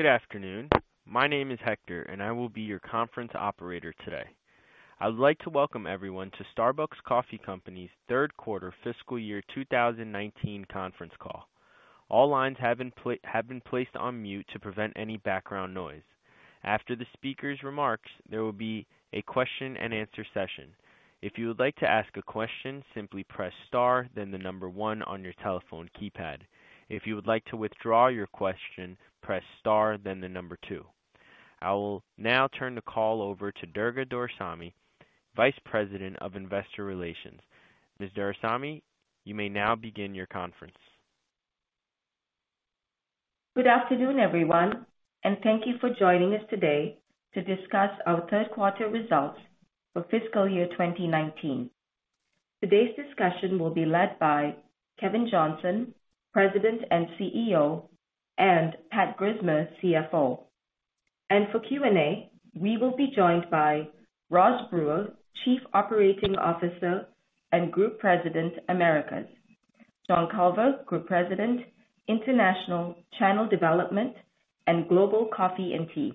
Good afternoon. My name is Hector, and I will be your conference operator today. I would like to welcome everyone to Starbucks Coffee Company's third quarter fiscal year 2019 conference call. All lines have been placed on mute to prevent any background noise. After the speaker's remarks, there will be a question and answer session. If you would like to ask a question, simply press star, then the number one on your telephone keypad. If you would like to withdraw your question, press star, then the number two. I will now turn the call over to Durga Doraisamy, Vice President of Investor Relations. Ms. Doraisamy, you may now begin your conference. Good afternoon, everyone, and thank you for joining us today to discuss our third quarter results for fiscal year 2019. Today's discussion will be led by Kevin Johnson, President and CEO, and Pat Grismer, CFO. For Q&A, we will be joined by Roz Brewer, Chief Operating Officer and Group President, Americas. John Culver, Group President, International Channel Development and Global Coffee & Tea.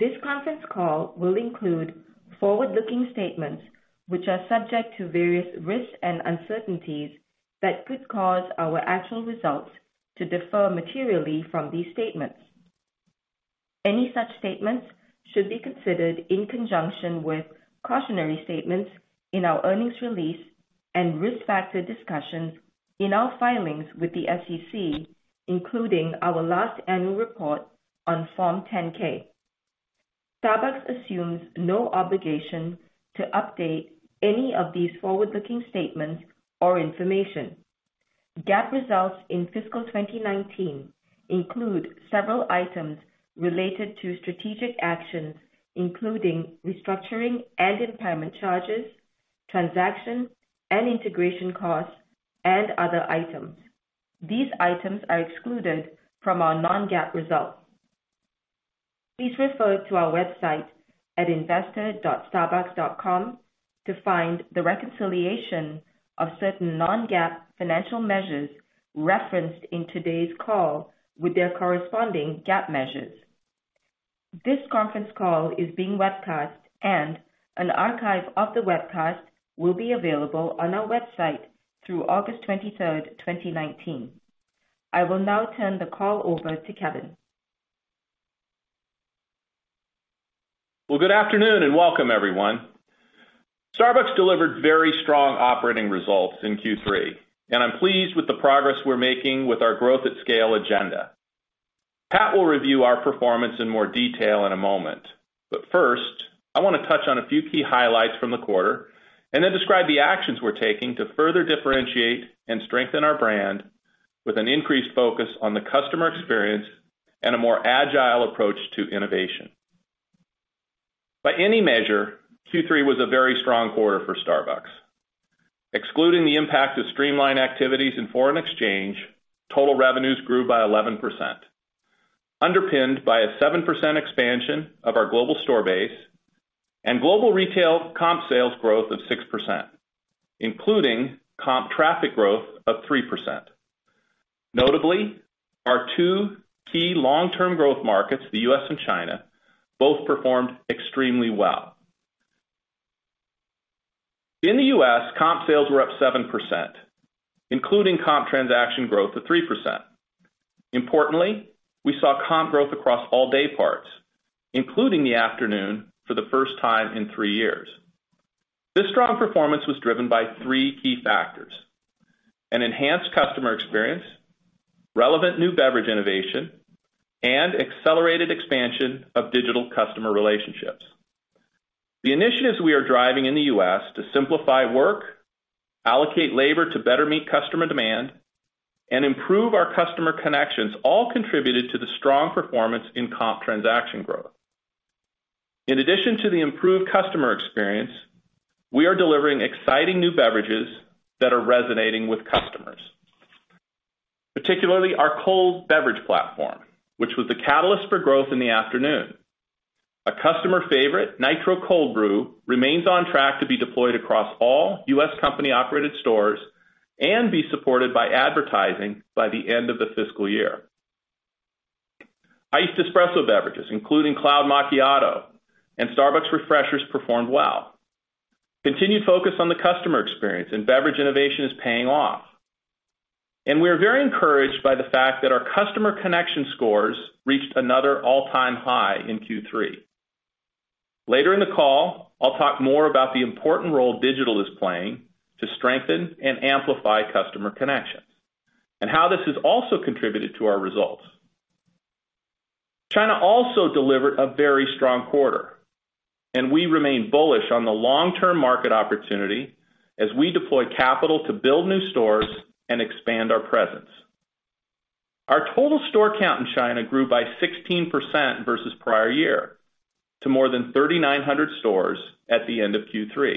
This conference call will include forward-looking statements, which are subject to various risks and uncertainties that could cause our actual results to differ materially from these statements. Any such statements should be considered in conjunction with cautionary statements in our earnings release and risk factor discussions in our filings with the SEC, including our last annual report on Form 10-K. Starbucks assumes no obligation to update any of these forward-looking statements or information. GAAP results in fiscal 2019 include several items related to strategic actions, including restructuring and impairment charges, transaction and integration costs, and other items. These items are excluded from our non-GAAP results. Please refer to our website at investor.starbucks.com to find the reconciliation of certain non-GAAP financial measures referenced in today's call with their corresponding GAAP measures. This conference call is being webcast, and an archive of the webcast will be available on our website through August 23rd, 2019. I will now turn the call over to Kevin. Well, good afternoon, welcome everyone. Starbucks delivered very strong operating results in Q3, and I'm pleased with the progress we're making with our growth at scale agenda. Pat will review our performance in more detail in a moment. First, I want to touch on a few key highlights from the quarter, and then describe the actions we're taking to further differentiate and strengthen our brand with an increased focus on the customer experience and a more agile approach to innovation. By any measure, Q3 was a very strong quarter for Starbucks. Excluding the impact of Streamline activities and foreign exchange, total revenues grew by 11%, underpinned by a 7% expansion of our global store base and global retail comp sales growth of 6%, including comp traffic growth of 3%. Notably, our two key long-term growth markets, the U.S. and China, both performed extremely well. In the U.S., comp sales were up 7%, including comp transaction growth of 3%. Importantly, we saw comp growth across all dayparts, including the afternoon for the first time in three years. This strong performance was driven by three key factors. An enhanced customer experience, relevant new beverage innovation, and accelerated expansion of digital customer relationships. The initiatives we are driving in the U.S. to simplify work, allocate labor to better meet customer demand, and improve our customer connections all contributed to the strong performance in comp transaction growth. In addition to the improved customer experience, we are delivering exciting new beverages that are resonating with customers. Particularly our cold beverage platform, which was the catalyst for growth in the afternoon. A customer favorite, Nitro Cold Brew, remains on track to be deployed across all U.S. company-operated stores and be supported by advertising by the end of the fiscal year. Iced espresso beverages, including Cloud Macchiato and Starbucks Refreshers, performed well. Continued focus on the customer experience and beverage innovation is paying off. We are very encouraged by the fact that our customer connection scores reached another all-time high in Q3. Later in the call, I'll talk more about the important role digital is playing to strengthen and amplify customer connections, and how this has also contributed to our results. China also delivered a very strong quarter, and we remain bullish on the long-term market opportunity as we deploy capital to build new stores and expand our presence. Our total store count in China grew by 16% versus prior year, to more than 3,900 stores at the end of Q3.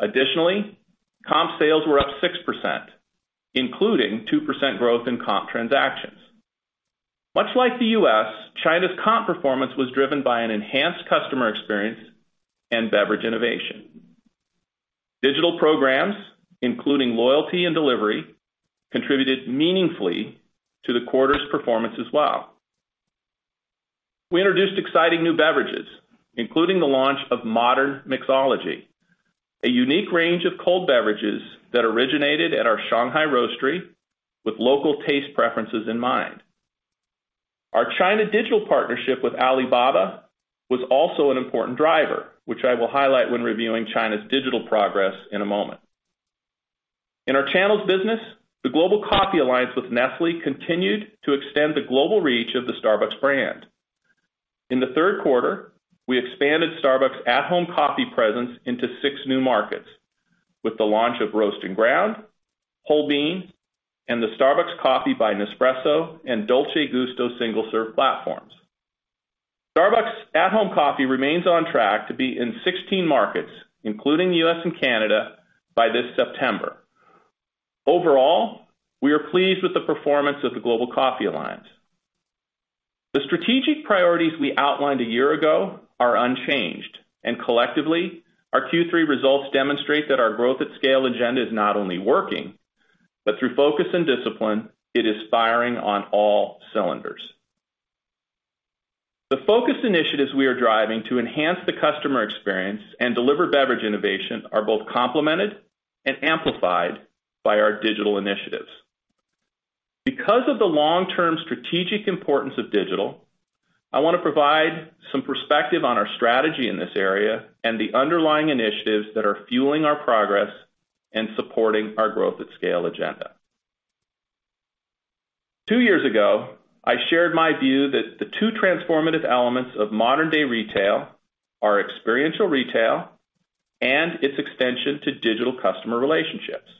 Additionally, comp sales were up 6%, including 2% growth in comp transactions. Much like the U.S., China's comp performance was driven by an enhanced customer experience and beverage innovation. Digital programs, including loyalty and delivery, contributed meaningfully to the quarter's performance as well. We introduced exciting new beverages, including the launch of Modern Mixology, a unique range of cold beverages that originated at our Shanghai roastery with local taste preferences in mind. Our China digital partnership with Alibaba was also an important driver, which I will highlight when reviewing China's digital progress in a moment. In our channels business, the Global Coffee Alliance with Nestlé continued to extend the global reach of the Starbucks brand. In the third quarter, we expanded Starbucks at-home coffee presence into six new markets with the launch of Roast and Ground, Whole Bean, and the Starbucks by Nespresso and Dolce Gusto single-serve platforms. Starbucks at-home coffee remains on track to be in 16 markets, including the U.S. and Canada, by this September. Overall, we are pleased with the performance of the Global Coffee Alliance. The strategic priorities we outlined a year ago are unchanged, and collectively, our Q3 results demonstrate that our Growth at Scale Agenda is not only working, but through focus and discipline, it is firing on all cylinders. The focused initiatives we are driving to enhance the customer experience and deliver beverage innovation are both complemented and amplified by our digital initiatives. Because of the long-term strategic importance of digital, I want to provide some perspective on our strategy in this area and the underlying initiatives that are fueling our progress and supporting our Growth at Scale Agenda. Two years ago, I shared my view that the two transformative elements of modern-day retail are experiential retail and its extension to digital customer relationships.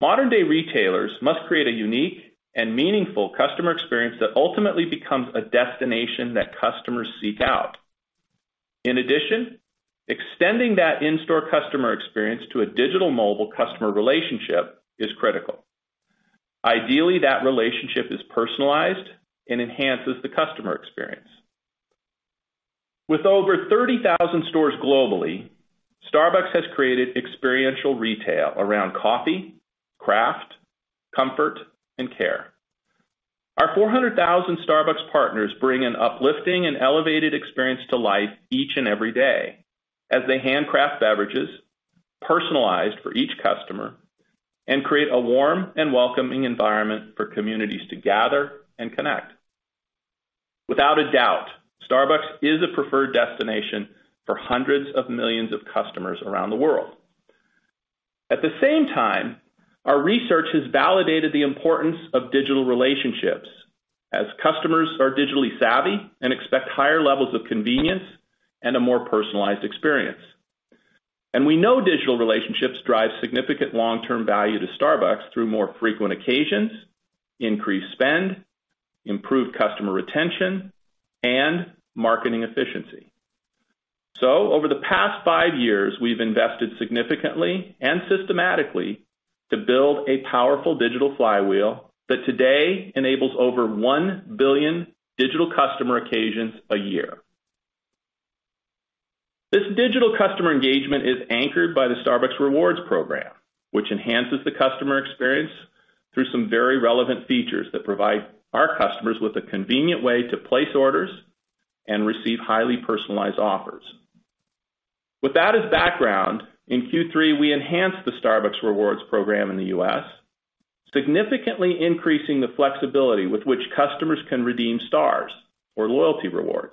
Modern-day retailers must create a unique and meaningful customer experience that ultimately becomes a destination that customers seek out. In addition, extending that in-store customer experience to a digital mobile customer relationship is critical. Ideally, that relationship is personalized and enhances the customer experience. With over 30,000 stores globally, Starbucks has created experiential retail around coffee, craft, comfort, and care. Our 400,000 Starbucks partners bring an uplifting and elevated experience to life each and every day as they handcraft beverages personalized for each customer and create a warm and welcoming environment for communities to gather and connect. Without a doubt, Starbucks is a preferred destination for hundreds of millions of customers around the world. At the same time, our research has validated the importance of digital relationships as customers are digitally savvy and expect higher levels of convenience and a more personalized experience. We know digital relationships drive significant long-term value to Starbucks through more frequent occasions, increased spend, improved customer retention, and marketing efficiency. Over the past 5 years, we've invested significantly and systematically to build a powerful digital flywheel that today enables over 1 billion digital customer occasions a year. This digital customer engagement is anchored by the Starbucks Rewards program, which enhances the customer experience through some very relevant features that provide our customers with a convenient way to place orders and receive highly personalized offers. With that as background, in Q3, we enhanced the Starbucks Rewards program in the U.S., significantly increasing the flexibility with which customers can redeem Stars or loyalty rewards.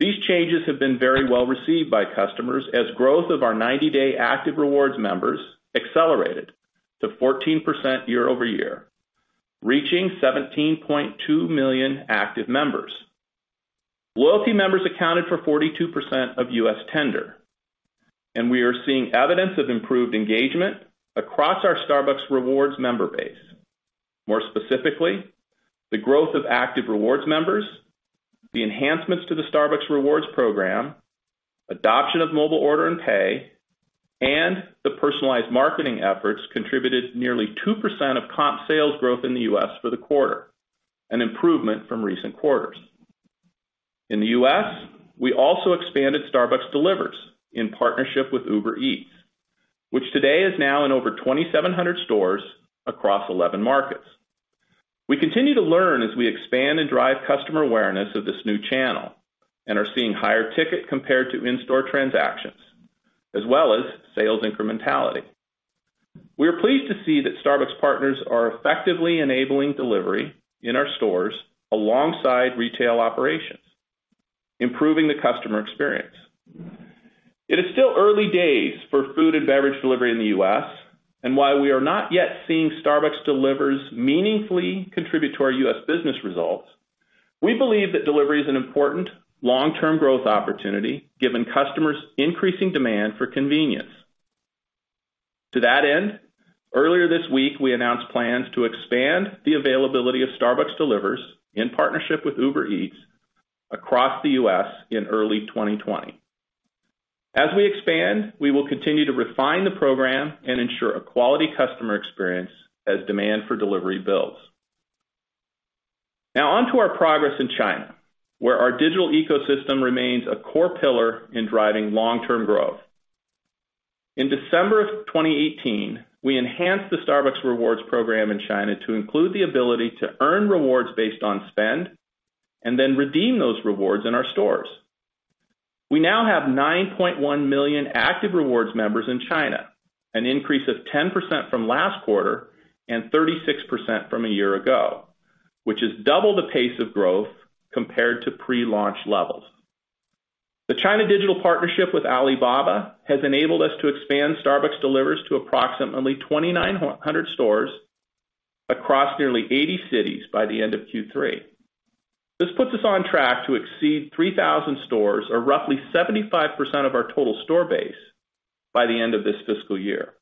These changes have been very well-received by customers as growth of our 90-day active Rewards members accelerated to 14% year-over-year, reaching 17.2 million active members. Loyalty members accounted for 42% of U.S. tender, and we are seeing evidence of improved engagement across our Starbucks Rewards member base. More specifically, the growth of active Rewards members, the enhancements to the Starbucks Rewards program, adoption of Mobile Order & Pay, and the personalized marketing efforts contributed nearly 2% of comp sales growth in the U.S. for the quarter, an improvement from recent quarters. In the U.S., we also expanded Starbucks Delivers in partnership with Uber Eats, which today is now in over 2,700 stores across 11 markets. We continue to learn as we expand and drive customer awareness of this new channel and are seeing higher ticket compared to in-store transactions, as well as sales incrementality. We are pleased to see that Starbucks partners are effectively enabling delivery in our stores alongside retail operations, improving the customer experience. It is still early days for food and beverage delivery in the U.S., and while we are not yet seeing Starbucks Delivers meaningfully contribute to our U.S. business results, we believe that delivery is an important long-term growth opportunity given customers' increasing demand for convenience. To that end, earlier this week, we announced plans to expand the availability of Starbucks Delivers in partnership with Uber Eats across the U.S. in early 2020. As we expand, we will continue to refine the program and ensure a quality customer experience as demand for delivery builds. Now on to our progress in China, where our digital ecosystem remains a core pillar in driving long-term growth. In December of 2018, we enhanced the Starbucks Rewards program in China to include the ability to earn rewards based on spend and then redeem those rewards in our stores. We now have 9.1 million active rewards members in China, an increase of 10% from last quarter and 36% from a year ago, which is double the pace of growth compared to pre-launch levels. The China digital partnership with Alibaba has enabled us to expand Starbucks Delivers to approximately 2,900 stores across nearly 80 cities by the end of Q3. This puts us on track to exceed 3,000 stores or roughly 75% of our total store base by the end of this fiscal year.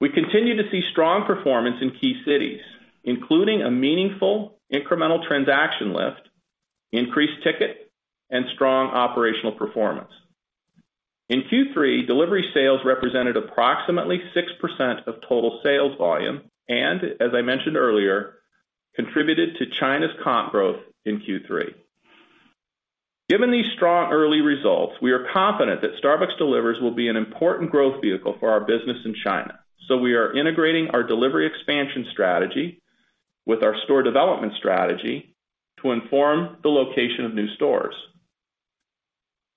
We continue to see strong performance in key cities, including a meaningful incremental transaction lift, increased ticket, and strong operational performance. In Q3, delivery sales represented approximately 6% of total sales volume and, as I mentioned earlier, contributed to China's comp growth in Q3. Given these strong early results, we are confident that Starbucks Delivers will be an important growth vehicle for our business in China. We are integrating our delivery expansion strategy with our store development strategy to inform the location of new stores.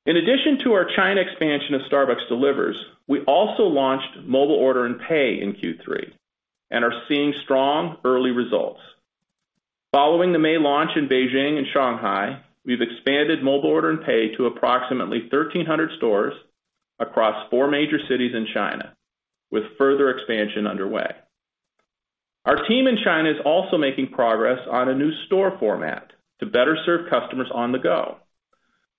In addition to our China expansion of Starbucks Delivers, we also launched Mobile Order & Pay in Q3 and are seeing strong early results. Following the May launch in Beijing and Shanghai, we've expanded Mobile Order & Pay to approximately 1,300 stores across four major cities in China, with further expansion underway. Our team in China is also making progress on a new store format to better serve customers on the go.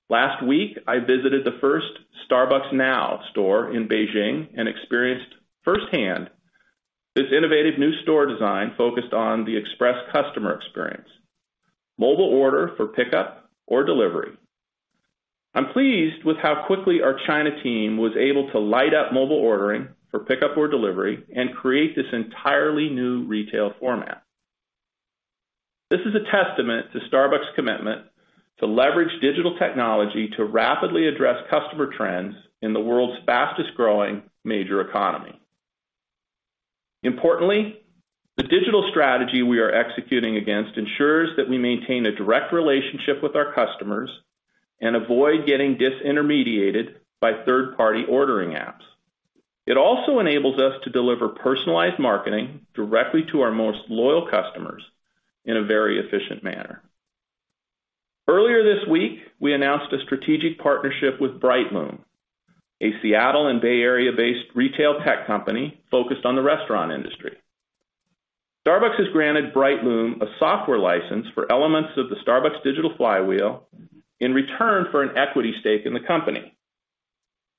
Last week, I visited the first Starbucks Now store in Beijing and experienced firsthand this innovative new store design focused on the express customer experience, mobile order for pickup or delivery. I'm pleased with how quickly our China team was able to light up mobile ordering for pickup or delivery and create this entirely new retail format. This is a testament to Starbucks' commitment to leverage digital technology to rapidly address customer trends in the world's fastest-growing major economy. Importantly, the digital strategy we are executing against ensures that we maintain a direct relationship with our customers and avoid getting disintermediated by third-party ordering apps. It also enables us to deliver personalized marketing directly to our most loyal customers in a very efficient manner. Earlier this week, we announced a strategic partnership with Brightloom, a Seattle and Bay Area-based retail tech company focused on the restaurant industry. Starbucks has granted Brightloom a software license for elements of the Starbucks digital flywheel in return for an equity stake in the company.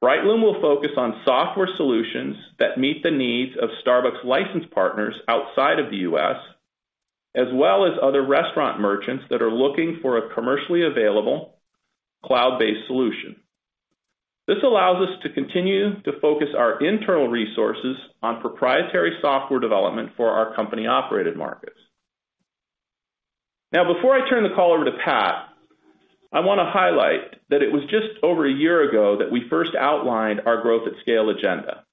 Brightloom will focus on software solutions that meet the needs of Starbucks license partners outside of the U.S., as well as other restaurant merchants that are looking for a commercially available cloud-based solution. This allows us to continue to focus our internal resources on proprietary software development for our company-operated markets. Before I turn the call over to Pat, I want to highlight that it was just over a year ago that we first outlined our growth at scale agenda.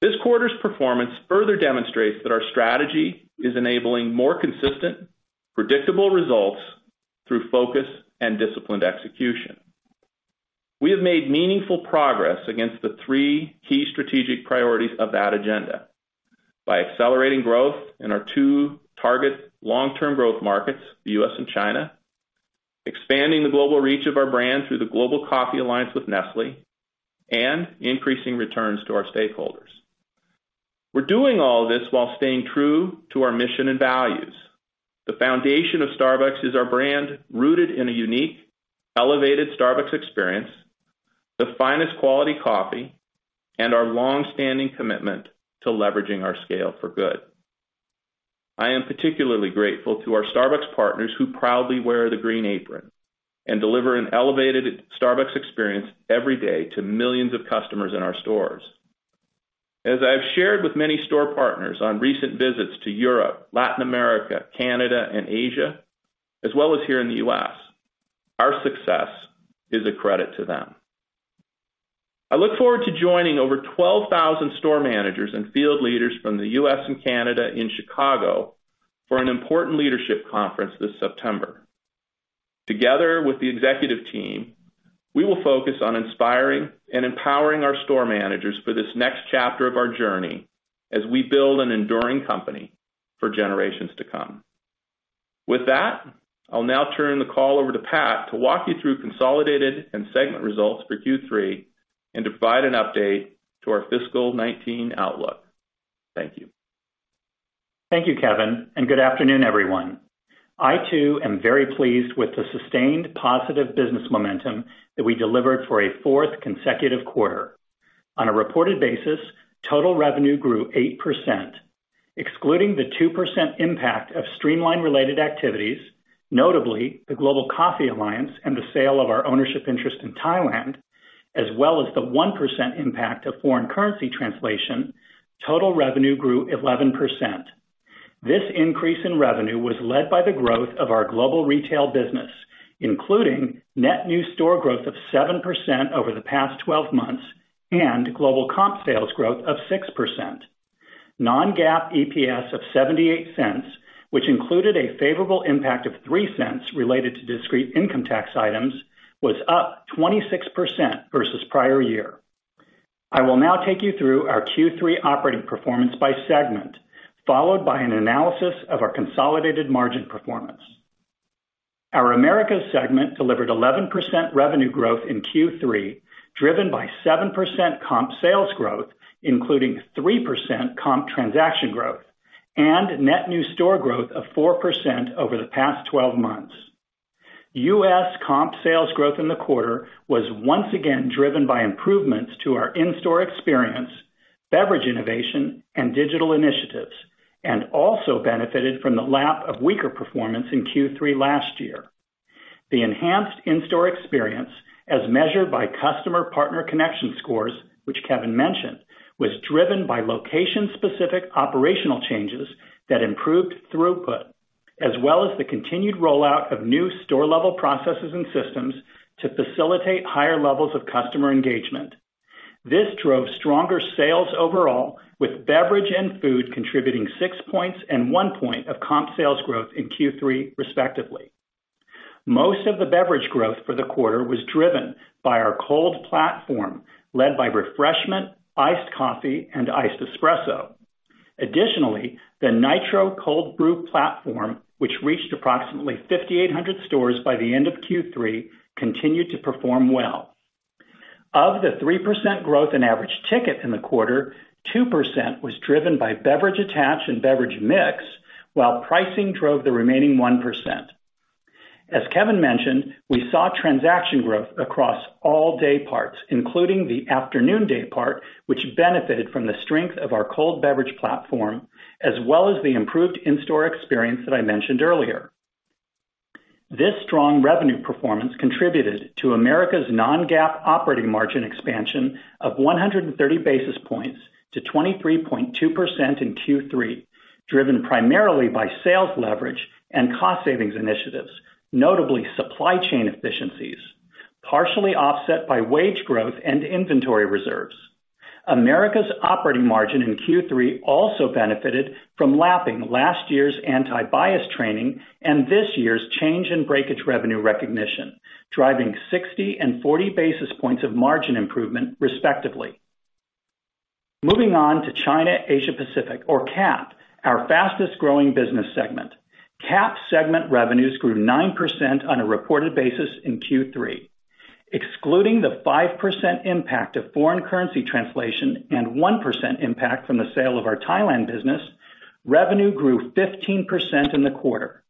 This quarter's performance further demonstrates that our strategy is enabling more consistent, predictable results through focus and disciplined execution. We have made meaningful progress against the three key strategic priorities of that agenda by accelerating growth in our two target long-term growth markets, the U.S. and China, expanding the global reach of our brand through the Global Coffee Alliance with Nestlé, and increasing returns to our stakeholders. We're doing all this while staying true to our mission and values. The foundation of Starbucks is our brand, rooted in a unique, elevated Starbucks experience, the finest quality coffee, and our longstanding commitment to leveraging our scale for good. I am particularly grateful to our Starbucks partners who proudly wear the green apron and deliver an elevated Starbucks experience every day to millions of customers in our stores. As I've shared with many store partners on recent visits to Europe, Latin America, Canada, and Asia, as well as here in the U.S., our success is a credit to them. I look forward to joining over 12,000 store managers and field leaders from the U.S. and Canada in Chicago for an important leadership conference this September. Together with the executive team, we will focus on inspiring and empowering our store managers for this next chapter of our journey as we build an enduring company for generations to come. With that, I'll now turn the call over to Pat to walk you through consolidated and segment results for Q3 and provide an update to our fiscal 2019 outlook. Thank you. Thank you, Kevin, and good afternoon, everyone. I too am very pleased with the sustained positive business momentum that we delivered for a fourth consecutive quarter. On a reported basis, total revenue grew 8%. Excluding the 2% impact of Streamline-related activities, notably the Global Coffee Alliance and the sale of our ownership interest in Thailand, as well as the 1% impact of foreign currency translation, total revenue grew 11%. This increase in revenue was led by the growth of our global retail business, including net new store growth of 7% over the past 12 months and global comp sales growth of 6%. non-GAAP EPS of $0.78, which included a favorable impact of $0.03 related to discrete income tax items, was up 26% versus prior year. I will now take you through our Q3 operating performance by segment, followed by an analysis of our consolidated margin performance. Our Americas segment delivered 11% revenue growth in Q3, driven by 7% comp sales growth, including 3% comp transaction growth and net new store growth of 4% over the past 12 months. U.S. comp sales growth in the quarter was once again driven by improvements to our in-store experience, beverage innovation, and digital initiatives, and also benefited from the lap of weaker performance in Q3 last year. The enhanced in-store experience, as measured by customer partner connection scores, which Kevin mentioned, was driven by location-specific operational changes that improved throughput, as well as the continued rollout of new store-level processes and systems to facilitate higher levels of customer engagement. This drove stronger sales overall, with beverage and food contributing six points and one point of comp sales growth in Q3, respectively. Most of the beverage growth for the quarter was driven by our cold platform, led by refreshment, iced coffee, and iced espresso. Additionally, the Nitro Cold Brew platform, which reached approximately 5,800 stores by the end of Q3, continued to perform well. Of the 3% growth in average ticket in the quarter, 2% was driven by beverage attach and beverage mix, while pricing drove the remaining 1%. As Kevin mentioned, we saw transaction growth across all dayparts, including the afternoon daypart, which benefited from the strength of our cold beverage platform, as well as the improved in-store experience that I mentioned earlier. This strong revenue performance contributed to Americas' non-GAAP operating margin expansion of 130 basis points to 23.2% in Q3, driven primarily by sales leverage and cost savings initiatives, notably supply chain efficiencies, partially offset by wage growth and inventory reserves. America's operating margin in Q3 also benefited from lapping last year's anti-bias training and this year's change in breakage revenue recognition, driving 60 and 40 basis points of margin improvement, respectively. Moving on to China Asia Pacific, or CAP, our fastest-growing business segment. CAP segment revenues grew 9% on a reported basis in Q3. Excluding the 5% impact of foreign currency translation and 1% impact from the sale of our Thailand business, revenue grew 15% in the quarter.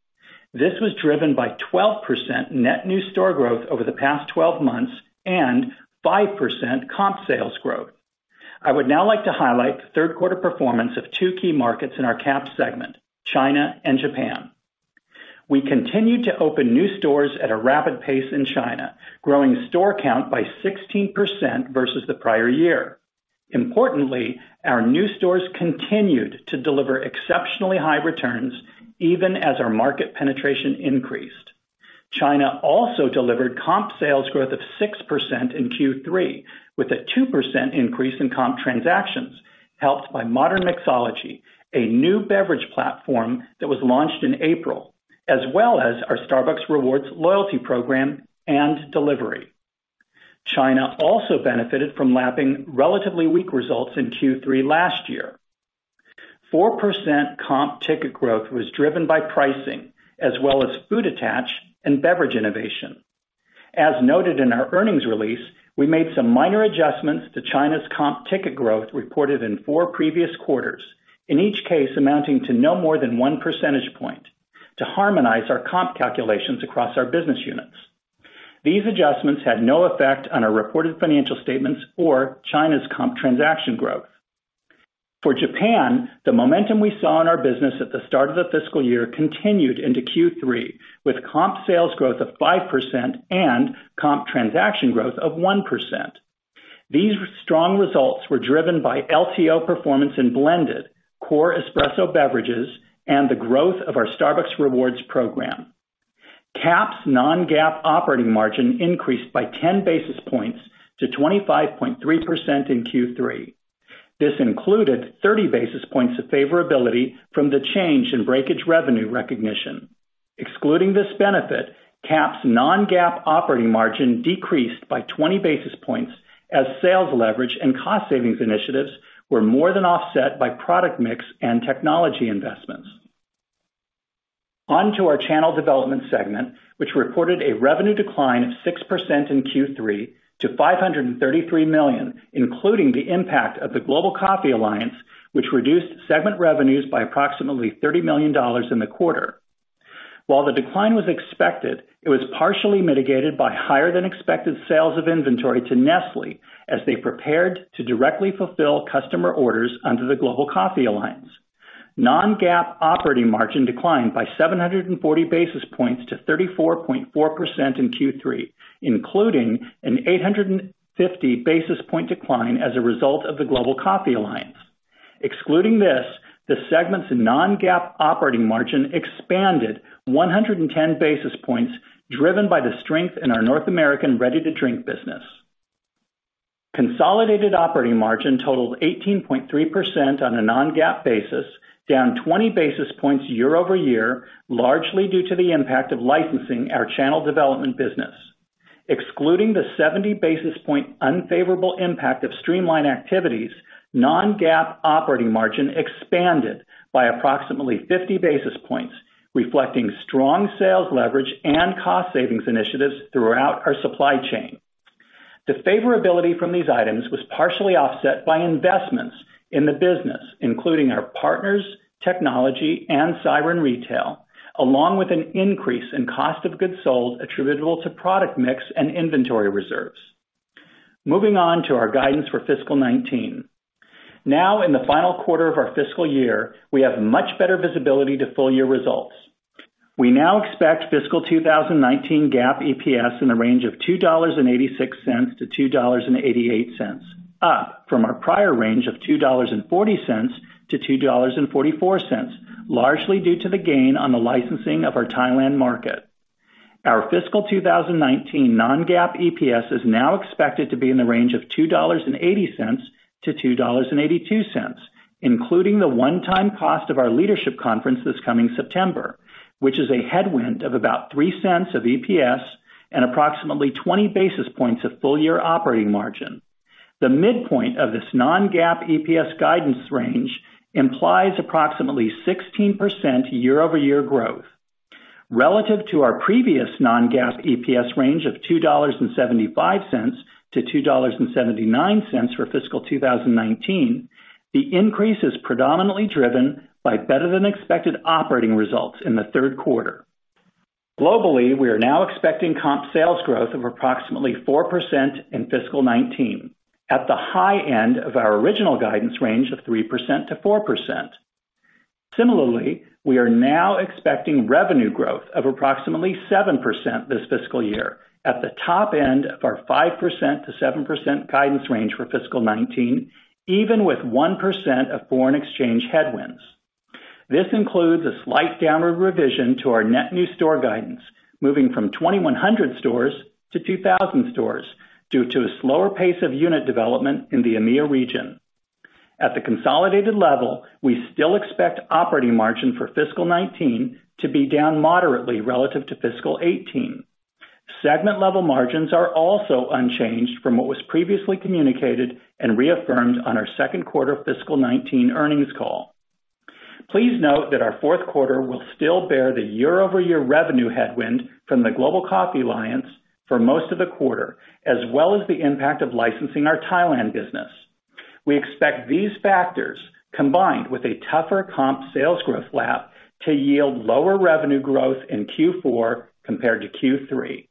This was driven by 12% net new store growth over the past 12 months and 5% comp sales growth. I would now like to highlight the third quarter performance of two key markets in our CAP segment, China and Japan. We continued to open new stores at a rapid pace in China, growing store count by 16% versus the prior year. Importantly, our new stores continued to deliver exceptionally high returns even as our market penetration increased. China also delivered comp sales growth of 6% in Q3, with a 2% increase in comp transactions, helped by Modern Mixology, a new beverage platform that was launched in April, as well as our Starbucks Rewards loyalty program and delivery. China also benefited from lapping relatively weak results in Q3 last year. 4% comp ticket growth was driven by pricing, as well as food attach and beverage innovation. As noted in our earnings release, we made some minor adjustments to China's comp ticket growth reported in four previous quarters, in each case amounting to no more than one percentage point, to harmonize our comp calculations across our business units. These adjustments had no effect on our reported financial statements or China's comp transaction growth. For Japan, the momentum we saw in our business at the start of the fiscal year continued into Q3, with comp sales growth of 5% and comp transaction growth of 1%. These strong results were driven by LTO performance in blended core espresso beverages and the growth of our Starbucks Rewards program. CAP's non-GAAP operating margin increased by 10 basis points to 25.3% in Q3. This included 30 basis points of favorability from the change in breakage revenue recognition. Excluding this benefit, CAP's non-GAAP operating margin decreased by 20 basis points as sales leverage and cost savings initiatives were more than offset by product mix and technology investments. Onto our Channel Development segment, which reported a revenue decline of 6% in Q3 to $533 million, including the impact of the Global Coffee Alliance, which reduced segment revenues by approximately $30 million in the quarter. While the decline was expected, it was partially mitigated by higher than expected sales of inventory to Nestlé as they prepared to directly fulfill customer orders under the Global Coffee Alliance. Non-GAAP operating margin declined by 740 basis points to 34.4% in Q3, including an 850 basis point decline as a result of the Global Coffee Alliance. Excluding this, the segment's non-GAAP operating margin expanded 110 basis points, driven by the strength in our North American ready-to-drink business. Consolidated operating margin totaled 18.3% on a non-GAAP basis, down 20 basis points year-over-year, largely due to the impact of licensing our Channel Development business. Excluding the 70 basis point unfavorable impact of streamline activities, non-GAAP operating margin expanded by approximately 50 basis points, reflecting strong sales leverage and cost savings initiatives throughout our supply chain. The favorability from these items was partially offset by investments in the business, including our partners, technology, and Siren Retail, along with an increase in cost of goods sold attributable to product mix and inventory reserves. Moving on to our guidance for fiscal 2019. Now in the final quarter of our fiscal year, we have much better visibility to full year results. We now expect fiscal 2019 GAAP EPS in the range of $2.86-$2.88, up from our prior range of $2.40-$2.44, largely due to the gain on the licensing of our Thailand market. Our fiscal 2019 non-GAAP EPS is now expected to be in the range of $2.80-$2.82, including the one-time cost of our leadership conference this coming September, which is a headwind of about $0.03 of EPS and approximately 20 basis points of full year operating margin. The midpoint of this non-GAAP EPS guidance range implies approximately 16% year-over-year growth. Relative to our previous non-GAAP EPS range of $2.75-$2.79 for fiscal 2019, the increase is predominantly driven by better than expected operating results in the third quarter. Globally, we are now expecting comp sales growth of approximately 4% in fiscal 2019 at the high end of our original guidance range of 3%-4%. Similarly, we are now expecting revenue growth of approximately 7% this fiscal year at the top end of our 5%-7% guidance range for fiscal 2019, even with 1% of foreign exchange headwinds. This includes a slight downward revision to our net new store guidance, moving from 2,100 stores-2,000 stores due to a slower pace of unit development in the EMEA region. At the consolidated level, we still expect operating margin for fiscal 2019 to be down moderately relative to fiscal 2018. Segment level margins are also unchanged from what was previously communicated and reaffirmed on our second quarter fiscal 2019 earnings call. Please note that our fourth quarter will still bear the year-over-year revenue headwind from the Global Coffee Alliance for most of the quarter, as well as the impact of licensing our Thailand business. We expect these factors, combined with a tougher comp sales growth lap, to yield lower revenue growth in Q4 compared to Q3.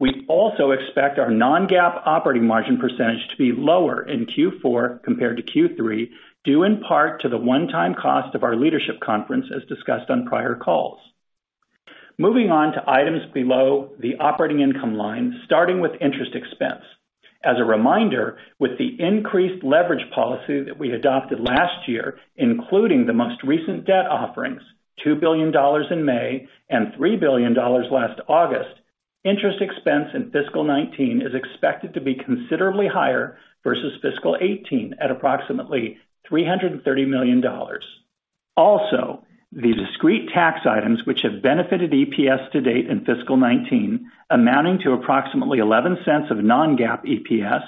We also expect our non-GAAP operating margin percentage to be lower in Q4 compared to Q3, due in part to the one-time cost of our leadership conference as discussed on prior calls. Moving on to items below the operating income line, starting with interest expense. As a reminder, with the increased leverage policy that we adopted last year, including the most recent debt offerings, $2 billion in May and $3 billion last August, interest expense in fiscal 2019 is expected to be considerably higher versus fiscal 2018 at approximately $330 million. Also, the discrete tax items which have benefited EPS to date in fiscal 2019, amounting to approximately $0.11 of non-GAAP EPS,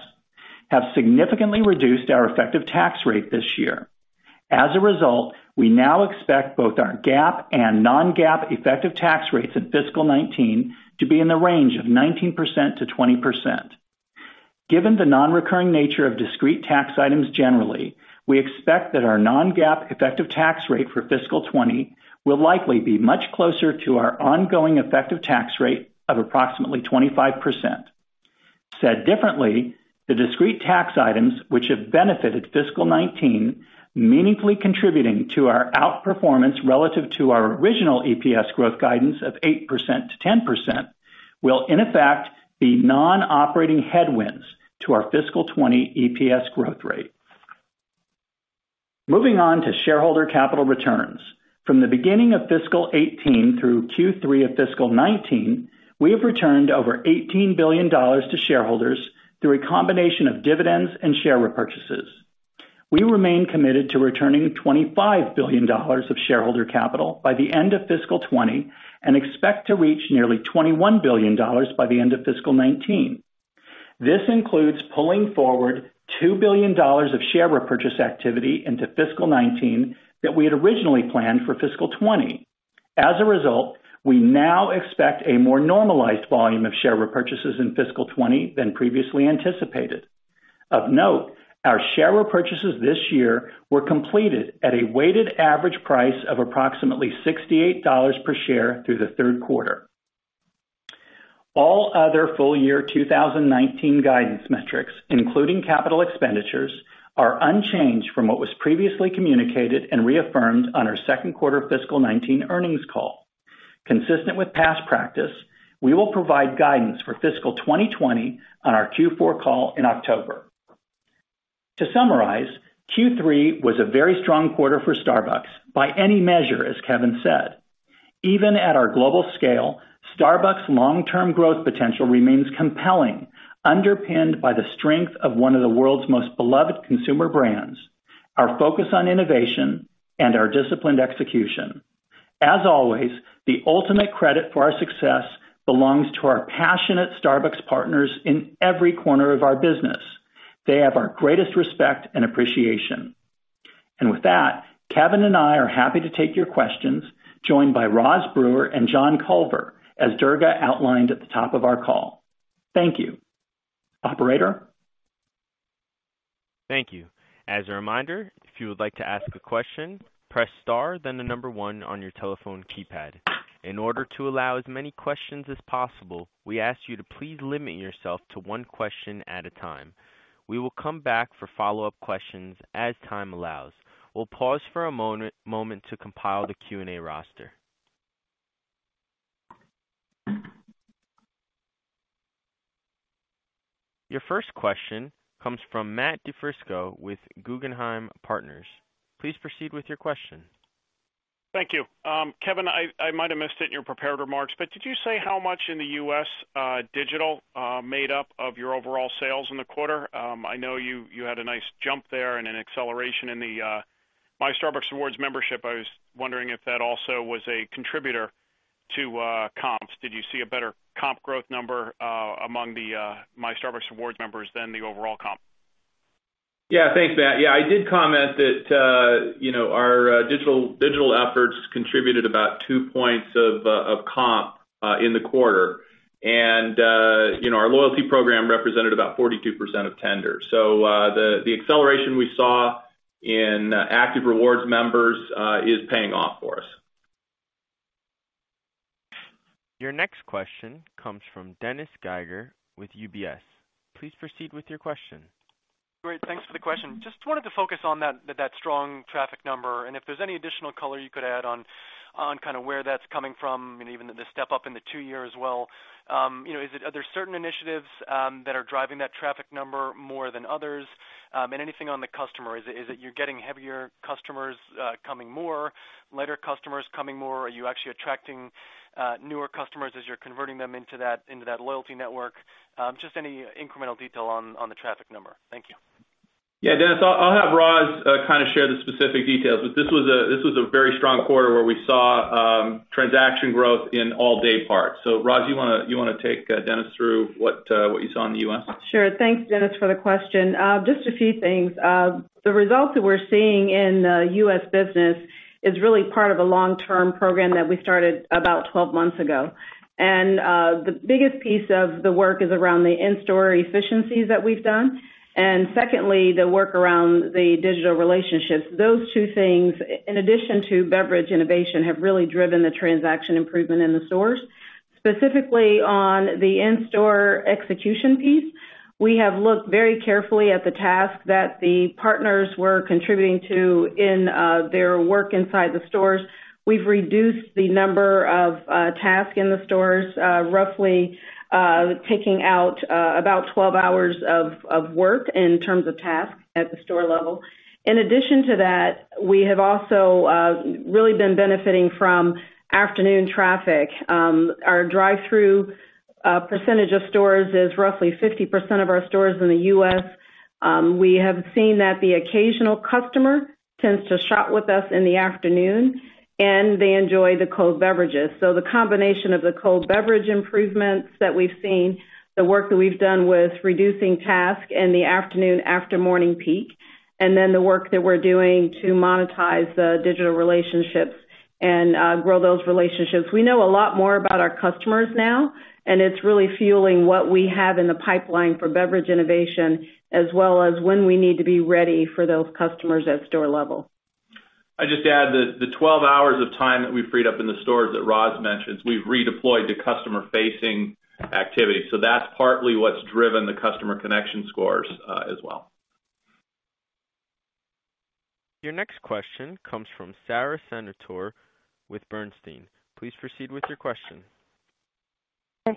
have significantly reduced our effective tax rate this year. As a result, we now expect both our GAAP and non-GAAP effective tax rates in fiscal 2019 to be in the range of 19%-20%. Given the non-recurring nature of discrete tax items generally, we expect that our non-GAAP effective tax rate for fiscal 2020 will likely be much closer to our ongoing effective tax rate of approximately 25%. Said differently, the discrete tax items which have benefited fiscal 2019, meaningfully contributing to our outperformance relative to our original EPS growth guidance of 8%-10%, will in effect be non-operating headwinds to our fiscal 2020 EPS growth rate. Moving on to shareholder capital returns. From the beginning of fiscal 2018 through Q3 of fiscal 2019, we have returned over $18 billion to shareholders through a combination of dividends and share repurchases. We remain committed to returning $25 billion of shareholder capital by the end of fiscal 2020 and expect to reach nearly $21 billion by the end of fiscal 19. This includes pulling forward $2 billion of share repurchase activity into fiscal 2019 that we had originally planned for fiscal 2020. As a result, we now expect a more normalized volume of share repurchases in fiscal 2020 than previously anticipated. Of note, our share repurchases this year were completed at a weighted average price of approximately $68 per share through the third quarter. All other full-year 2019 guidance metrics, including capital expenditures, are unchanged from what was previously communicated and reaffirmed on our second quarter fiscal 2019 earnings call. Consistent with past practice, we will provide guidance for fiscal 2020 on our Q4 call in October. To summarize, Q3 was a very strong quarter for Starbucks by any measure, as Kevin said. Even at our global scale, Starbucks' long-term growth potential remains compelling, underpinned by the strength of one of the world's most beloved consumer brands, our focus on innovation, and our disciplined execution. As always, the ultimate credit for our success belongs to our passionate Starbucks partners in every corner of our business. They have our greatest respect and appreciation. With that, Kevin and I are happy to take your questions, joined by Roz Brewer and John Culver, as Durga outlined at the top of our call. Thank you. Operator? Thank you. As a reminder, if you would like to ask a question, press star then the number one on your telephone keypad. In order to allow as many questions as possible, we ask you to please limit yourself to one question at a time. We will come back for follow-up questions as time allows. We'll pause for a moment to compile the Q&A roster. Your first question comes from Matt DiFrisco with Guggenheim Partners. Please proceed with your question. Thank you. Kevin, I might have missed it in your prepared remarks, but did you say how much in the U.S. digital made up of your overall sales in the quarter? I know you had a nice jump there and an acceleration in the My Starbucks Rewards membership. I was wondering if that also was a contributor to comps. Did you see a better comp growth number among the My Starbucks Rewards members than the overall comp? Thanks, Matt. I did comment that our digital efforts contributed about two points of comp in the quarter. Our loyalty program represented about 42% of tender. The acceleration we saw in active Rewards members is paying off for us. Your next question comes from Dennis Geiger with UBS. Please proceed with your question. Great. Thanks for the question. Just wanted to focus on that strong traffic number and if there's any additional color you could add on where that's coming from, and even the step-up in the two-year as well. Are there certain initiatives that are driving that traffic number more than others? Anything on the customer. Is it you're getting heavier customers coming more, lighter customers coming more? Are you actually attracting newer customers as you're converting them into that loyalty network? Just any incremental detail on the traffic number. Thank you. Yeah, Dennis, I'll have Roz share the specific details, but this was a very strong quarter where we saw transaction growth in all day parts. Roz, you want to take Dennis through what you saw in the U.S.? Sure. Thanks, Dennis, for the question. Just a few things. The results that we're seeing in the U.S. business is really part of a long-term program that we started about 12 months ago. The biggest piece of the work is around the in-store efficiencies that we've done. Secondly, the work around the digital relationships. Those two things, in addition to beverage innovation, have really driven the transaction improvement in the stores. Specifically on the in-store execution piece, we have looked very carefully at the task that the partners were contributing to in their work inside the stores. We've reduced the number of tasks in the stores, roughly taking out about 12 hours of work in terms of tasks at the store level. In addition to that, we have also really been benefiting from afternoon traffic. Our drive-thru percentage of stores is roughly 50% of our stores in the U.S. We have seen that the occasional customer tends to shop with us in the afternoon, and they enjoy the cold beverages. The combination of the cold beverage improvements that we've seen, the work that we've done with reducing task in the afternoon after morning peak, and then the work that we're doing to monetize the digital relationships and grow those relationships. We know a lot more about our customers now, and it's really fueling what we have in the pipeline for beverage innovation, as well as when we need to be ready for those customers at store level. I'd just add that the 12 hours of time that we freed up in the stores that Roz mentioned, we've redeployed to customer-facing activities. That's partly what's driven the customer connection scores as well. Your next question comes from Sara Senatore with Bernstein. Please proceed with your question.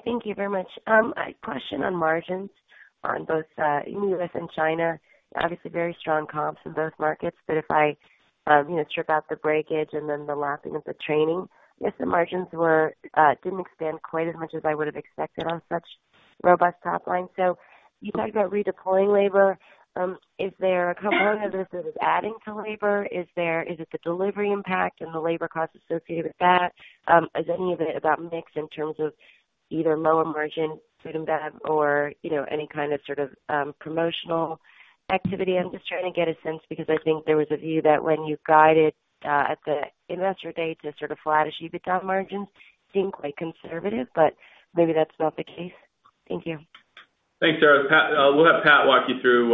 Thank you very much. A question on margins on both in the U.S. and China. Obviously very strong comps in both markets, but if I strip out the breakage and then the lapping of the training, yes, the margins didn't expand quite as much as I would've expected on such robust top line. You talked about redeploying labor. Is there a component of this that is adding to labor? Is it the delivery impact and the labor cost associated with that? Is any of it about mix in terms of either low-margin food and bev or any kind of promotional? Activity. I'm just trying to get a sense because I think there was a view that when you guided at the investor day to sort of flattish EBITDA margins seemed quite conservative. Maybe that's not the case. Thank you. Thanks, Sara. We'll have Pat walk you through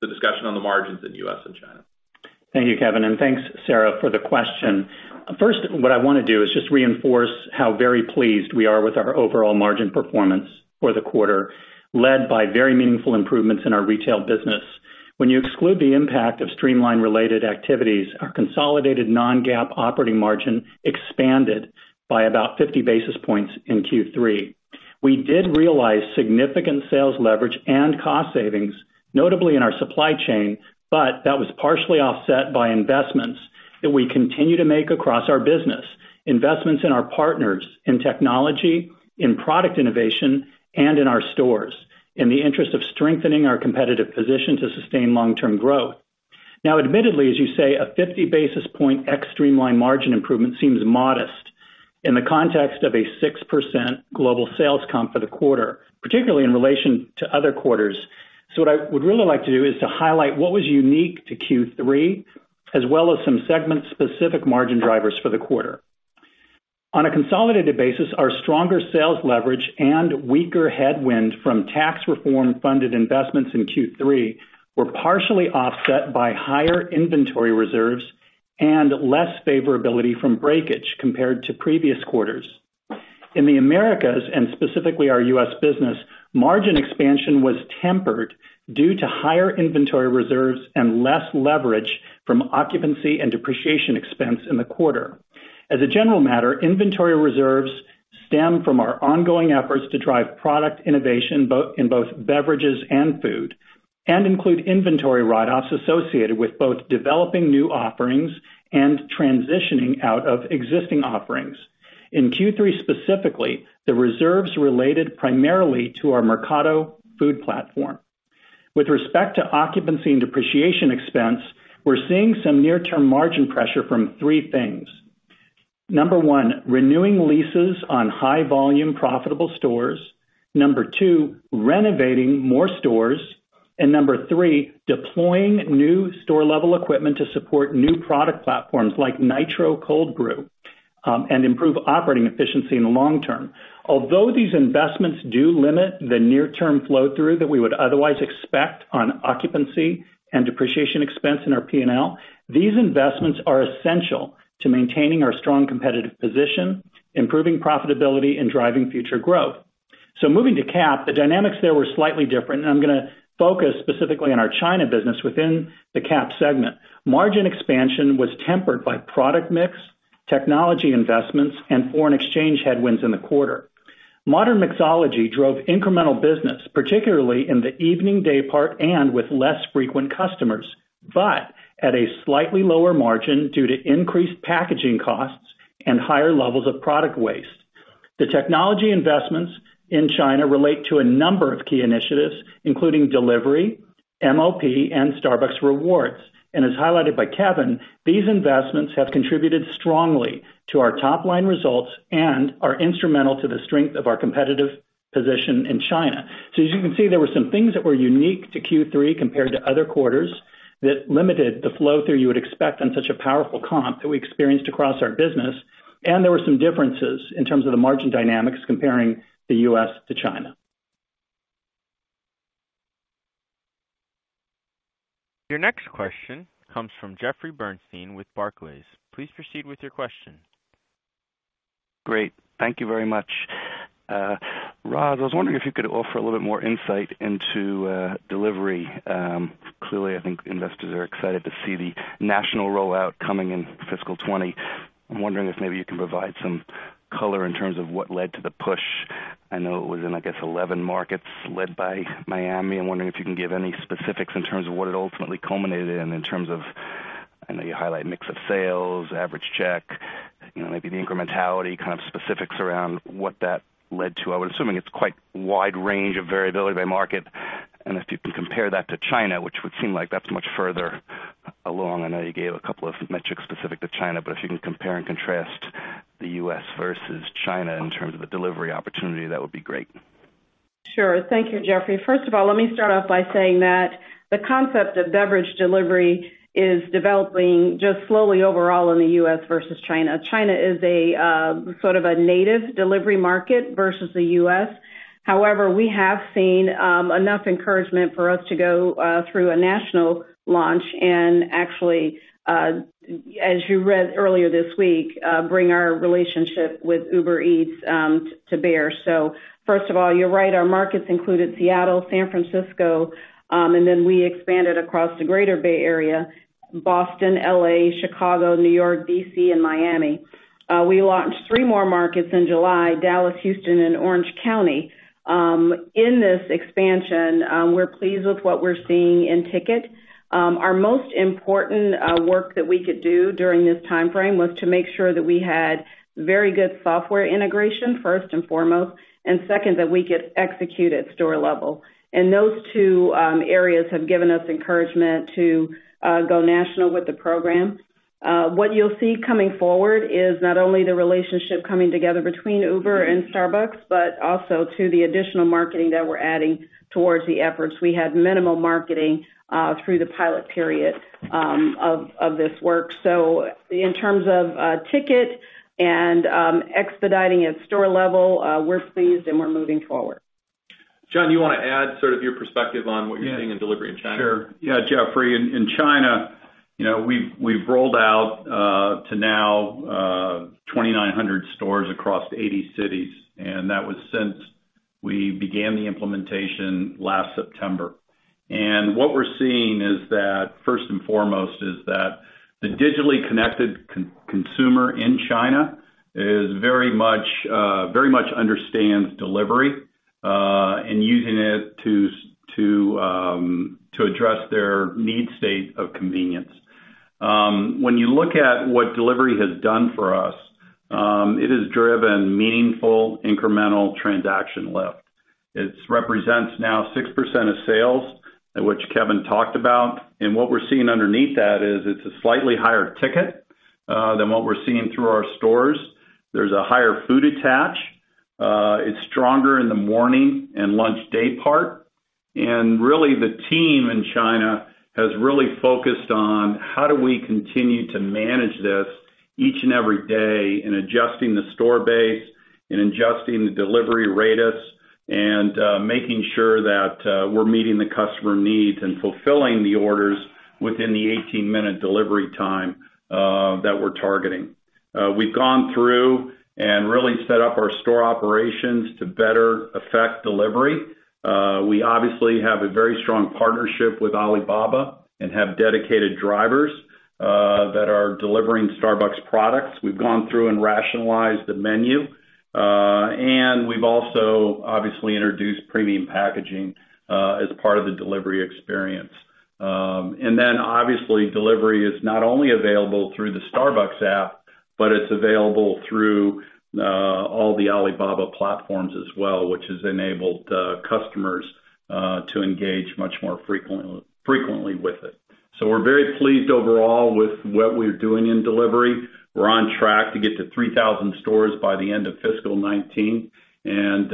the discussion on the margins in U.S. and China. Thank you, Kevin, and thanks, Sara for the question. What I want to do is just reinforce how very pleased we are with our overall margin performance for the quarter, led by very meaningful improvements in our retail business. When you exclude the impact of streamline-related activities, our consolidated non-GAAP operating margin expanded by about 50 basis points in Q3. We did realize significant sales leverage and cost savings, notably in our supply chain, that was partially offset by investments that we continue to make across our business. Investments in our partners, in technology, in product innovation, and in our stores, in the interest of strengthening our competitive position to sustain long-term growth. Admittedly, as you say, a 50 basis point ex-Streamline margin improvement seems modest in the context of a 6% global sales comp for the quarter, particularly in relation to other quarters. What I would really like to do is to highlight what was unique to Q3, as well as some segment-specific margin drivers for the quarter. On a consolidated basis, our stronger sales leverage and weaker headwind from tax reform-funded investments in Q3 were partially offset by higher inventory reserves and less favorability from breakage compared to previous quarters. In the Americas, and specifically our U.S. business, margin expansion was tempered due to higher inventory reserves and less leverage from occupancy and depreciation expense in the quarter. As a general matter, inventory reserves stem from our ongoing efforts to drive product innovation in both beverages and food, and include inventory write-offs associated with both developing new offerings and transitioning out of existing offerings. In Q3 specifically, the reserves related primarily to our Mercato food platform. With respect to occupancy and depreciation expense, we're seeing some near-term margin pressure from three things. Number one, renewing leases on high-volume profitable stores. Number two, renovating more stores. Number three, deploying new store-level equipment to support new product platforms like Nitro Cold Brew, and improve operating efficiency in the long term. Although these investments do limit the near-term flow-through that we would otherwise expect on occupancy and depreciation expense in our P&L, these investments are essential to maintaining our strong competitive position, improving profitability, and driving future growth. Moving to CAP, the dynamics there were slightly different, and I'm going to focus specifically on our China business within the CAP segment. Margin expansion was tempered by product mix, technology investments, and foreign exchange headwinds in the quarter. Modern Mixology drove incremental business, particularly in the evening daypart and with less frequent customers, but at a slightly lower margin due to increased packaging costs and higher levels of product waste. The technology investments in China relate to a number of key initiatives, including delivery, MOP, and Starbucks Rewards. As highlighted by Kevin, these investments have contributed strongly to our top-line results and are instrumental to the strength of our competitive position in China. As you can see, there were some things that were unique to Q3 compared to other quarters that limited the flow-through you would expect on such a powerful comp that we experienced across our business, and there were some differences in terms of the margin dynamics comparing the U.S. to China. Your next question comes from Jeffrey Bernstein with Barclays. Please proceed with your question. Great. Thank you very much. Roz, I was wondering if you could offer a little bit more insight into delivery. Clearly, I think investors are excited to see the national rollout coming in fiscal 2020. I'm wondering if maybe you can provide some color in terms of what led to the push. I know it was in, I guess, 11 markets led by Miami. I'm wondering if you can give any specifics in terms of what it ultimately culminated in terms of, I know you highlight mix of sales, average check, maybe the incrementality kind of specifics around what that led to. I would assume it's quite wide range of variability by market, and if you can compare that to China, which would seem like that's much further along. I know you gave a couple of metrics specific to China, but if you can compare and contrast the U.S. versus China in terms of a delivery opportunity, that would be great. Sure. Thank you, Jeffrey. First of all, let me start off by saying that the concept of beverage delivery is developing just slowly overall in the U.S. versus China. China is a sort of a native delivery market versus the U.S. We have seen enough encouragement for us to go through a national launch and actually, as you read earlier this week, bring our relationship with Uber Eats to bear. First of all, you're right, our markets included Seattle, San Francisco, and then we expanded across the Greater Bay Area, Boston, L.A., Chicago, New York, D.C., and Miami. We launched three more markets in July, Dallas, Houston, and Orange County. In this expansion, we're pleased with what we're seeing in ticket. Our most important work that we could do during this timeframe was to make sure that we had very good software integration, first and foremost, and second, that we could execute at store level. Those two areas have given us encouragement to go national with the program. What you'll see coming forward is not only the relationship coming together between Uber and Starbucks, but also to the additional marketing that we're adding towards the efforts. We had minimal marketing through the pilot period of this work. In terms of ticket and expediting at store level, we're pleased and we're moving forward. John, do you want to add your perspective on what you're seeing in delivery in China? Sure. Yeah, Jeffrey, in China, we've rolled out to now 2,900 stores across 80 cities, and that was since we began the implementation last September. What we're seeing, first and foremost, is that the digitally connected consumer in China very much understands delivery and using it to address their need state of convenience. When you look at what delivery has done for us, it has driven meaningful incremental transaction lift. It represents now 6% of sales, which Kevin talked about. What we're seeing underneath that is it's a slightly higher ticket than what we're seeing through our stores. There's a higher food attach. It's stronger in the morning and lunch day part. Really, the team in China has really focused on how do we continue to manage this each and every day in adjusting the store base, in adjusting the delivery radius, and making sure that we're meeting the customer needs and fulfilling the orders within the 18-minute delivery time that we're targeting. We've gone through and really set up our store operations to better affect delivery. We obviously have a very strong partnership with Alibaba and have dedicated drivers that are delivering Starbucks products. We've gone through and rationalized the menu. We've also obviously introduced premium packaging as part of the delivery experience. Obviously, delivery is not only available through the Starbucks app, but it's available through all the Alibaba platforms as well, which has enabled customers to engage much more frequently with it. We're very pleased overall with what we're doing in delivery. We're on track to get to 3,000 stores by the end of fiscal 2019, and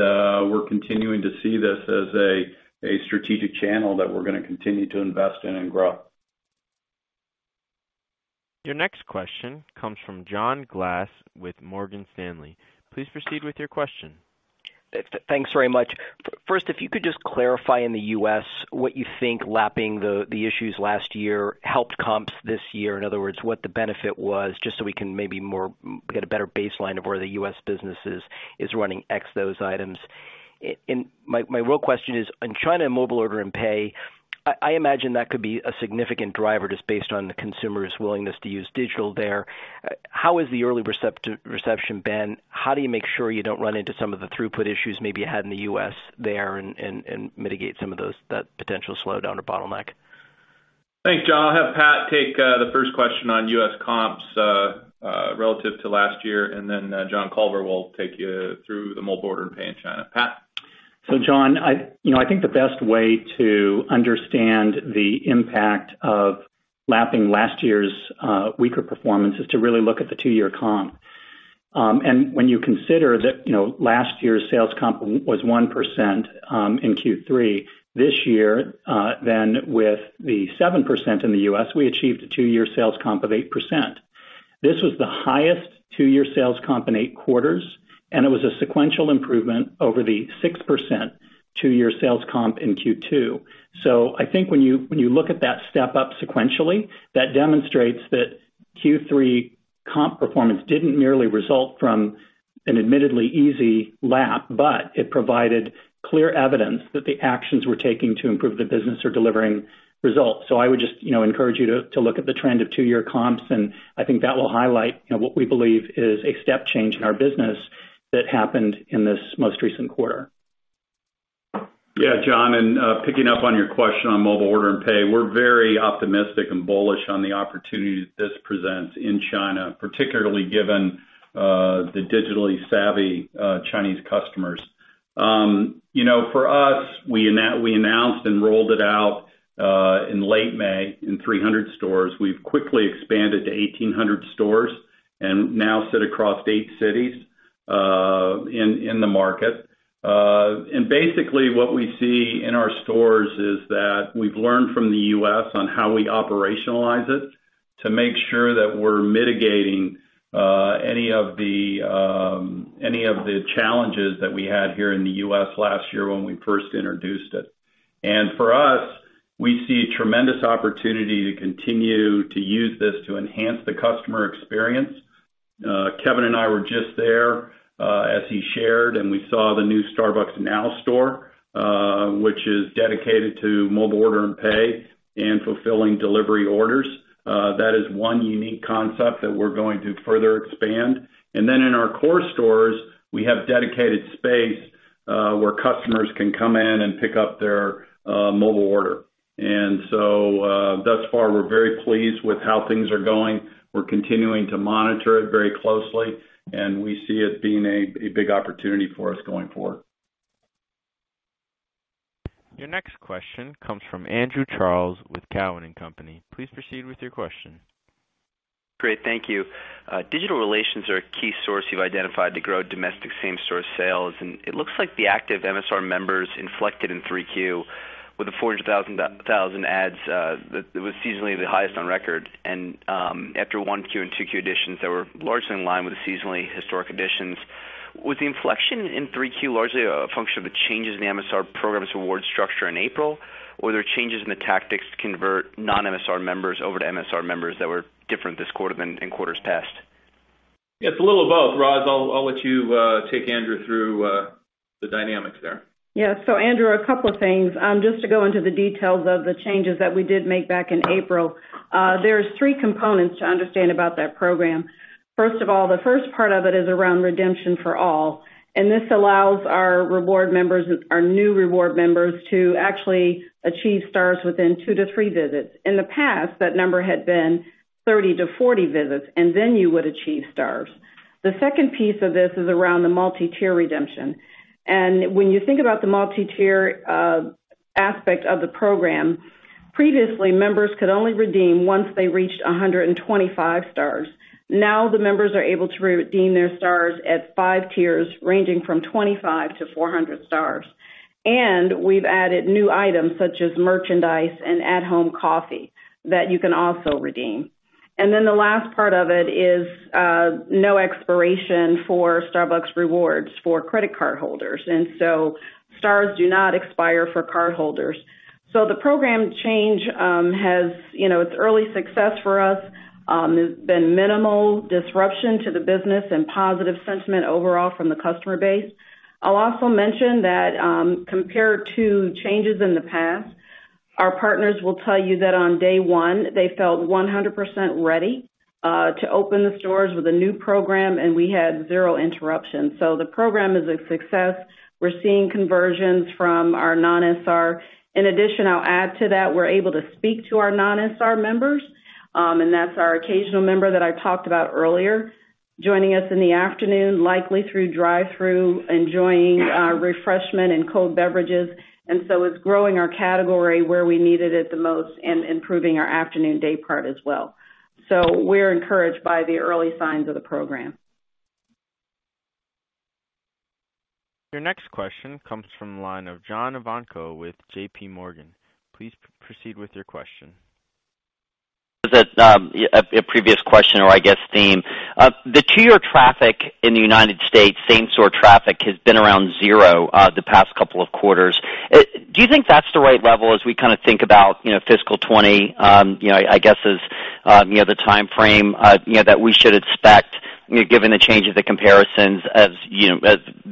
we're continuing to see this as a strategic channel that we're going to continue to invest in and grow. Your next question comes from John Glass with Morgan Stanley. Please proceed with your question. Thanks very much. First, if you could just clarify in the U.S. what you think lapping the issues last year helped comps this year. In other words, what the benefit was, just so we can maybe get a better baseline of where the U.S. business is running ex those items. My real question is, in China Mobile Order & Pay, I imagine that could be a significant driver just based on the consumer's willingness to use digital there. How has the early reception been? How do you make sure you don't run into some of the throughput issues maybe you had in the U.S. there and mitigate some of that potential slowdown or bottleneck? Thanks, John. I'll have Pat take the first question on U.S. comps relative to last year, and then John Culver will take you through the Mobile Order & Pay in China. Pat? John, I think the best way to understand the impact of lapping last year's weaker performance is to really look at the two-year comp. When you consider that last year's sales comp was 1% in Q3 this year, with the 7% in the U.S., we achieved a two-year sales comp of 8%. This was the highest two-year sales comp in eight quarters, and it was a sequential improvement over the 6% two-year sales comp in Q2. I think when you look at that step up sequentially, that demonstrates that Q3 comp performance didn't merely result from an admittedly easy lap, but it provided clear evidence that the actions we're taking to improve the business are delivering results. I would just encourage you to look at the trend of two-year comps, and I think that will highlight what we believe is a step change in our business that happened in this most recent quarter. Yeah, John, picking up on your question on Mobile Order & Pay, we're very optimistic and bullish on the opportunities this presents in China, particularly given the digitally savvy Chinese customers. For us, we announced and rolled it out in late May in 300 stores. We've quickly expanded to 1,800 stores and now sit across eight cities in the market. Basically what we see in our stores is that we've learned from the U.S. on how we operationalize it to make sure that we're mitigating any of the challenges that we had here in the U.S. last year when we first introduced it. For us, we see a tremendous opportunity to continue to use this to enhance the customer experience. Kevin and I were just there, as he shared, and we saw the new Starbucks Now store, which is dedicated to Mobile Order & Pay and fulfilling delivery orders. That is one unique concept that we're going to further expand. In our core stores, we have dedicated space where customers can come in and pick up their Mobile Order. Thus far, we're very pleased with how things are going. We're continuing to monitor it very closely, and we see it being a big opportunity for us going forward. Your next question comes from Andrew Charles with Cowen and Company. Please proceed with your question. Great. Thank you. Digital relations are a key source you've identified to grow domestic same-store sales. It looks like the active MSR members inflected in 3Q with the 400,000 adds. That was seasonally the highest on record. After 1Q and 2Q additions that were largely in line with the seasonally historic additions, was the inflection in 3Q largely a function of the changes in the MSR programs reward structure in April? Were there changes in the tactics to convert non-MSR members over to MSR members that were different this quarter than in quarters past? It's a little of both. Roz, I'll let you take Andrew through the dynamics there. Andrew, a couple of things. Just to go into the details of the changes that we did make back in April. There's three components to understand about that program. First of all, the first part of it is around redemption for all, and this allows our new reward members to actually achieve Stars within two to three visits. In the past, that number had been 30-40 visits, and then you would achieve Stars. The second piece of this is around the multi-tier redemption. When you think about the multi-tier aspect of the program, previously, members could only redeem once they reached 125 Stars. Now, the members are able to redeem their Stars at 5 Tiers, ranging from 25-400 Stars. We've added new items such as merchandise and at-home coffee that you can also redeem. The last part of it is, no expiration for Starbucks Rewards for credit card holders. Stars do not expire for card holders. The program change, it's early success for us. There's been minimal disruption to the business and positive sentiment overall from the customer base. I'll also mention that, compared to changes in the past, our partners will tell you that on day one, they felt 100% ready to open the stores with a new program, and we had zero interruptions. The program is a success. We're seeing conversions from our non-MSR. I'll add to that, we're able to speak to our non-MSR members, and that's our occasional member that I talked about earlier, joining us in the afternoon, likely through drive-thru, enjoying Refreshers and cold beverages. It's growing our category where we needed it the most and improving our afternoon day part as well. We're encouraged by the early signs of the program. Your next question comes from the line of John Ivankoe with JPMorgan. Please proceed with your question. Was it a previous question or, I guess, theme. The two-year traffic in the United States, same-store traffic, has been around zero, the past couple of quarters. Do you think that's the right level as we think about fiscal 2020, I guess, as the timeframe that we should expect, given the change of the comparisons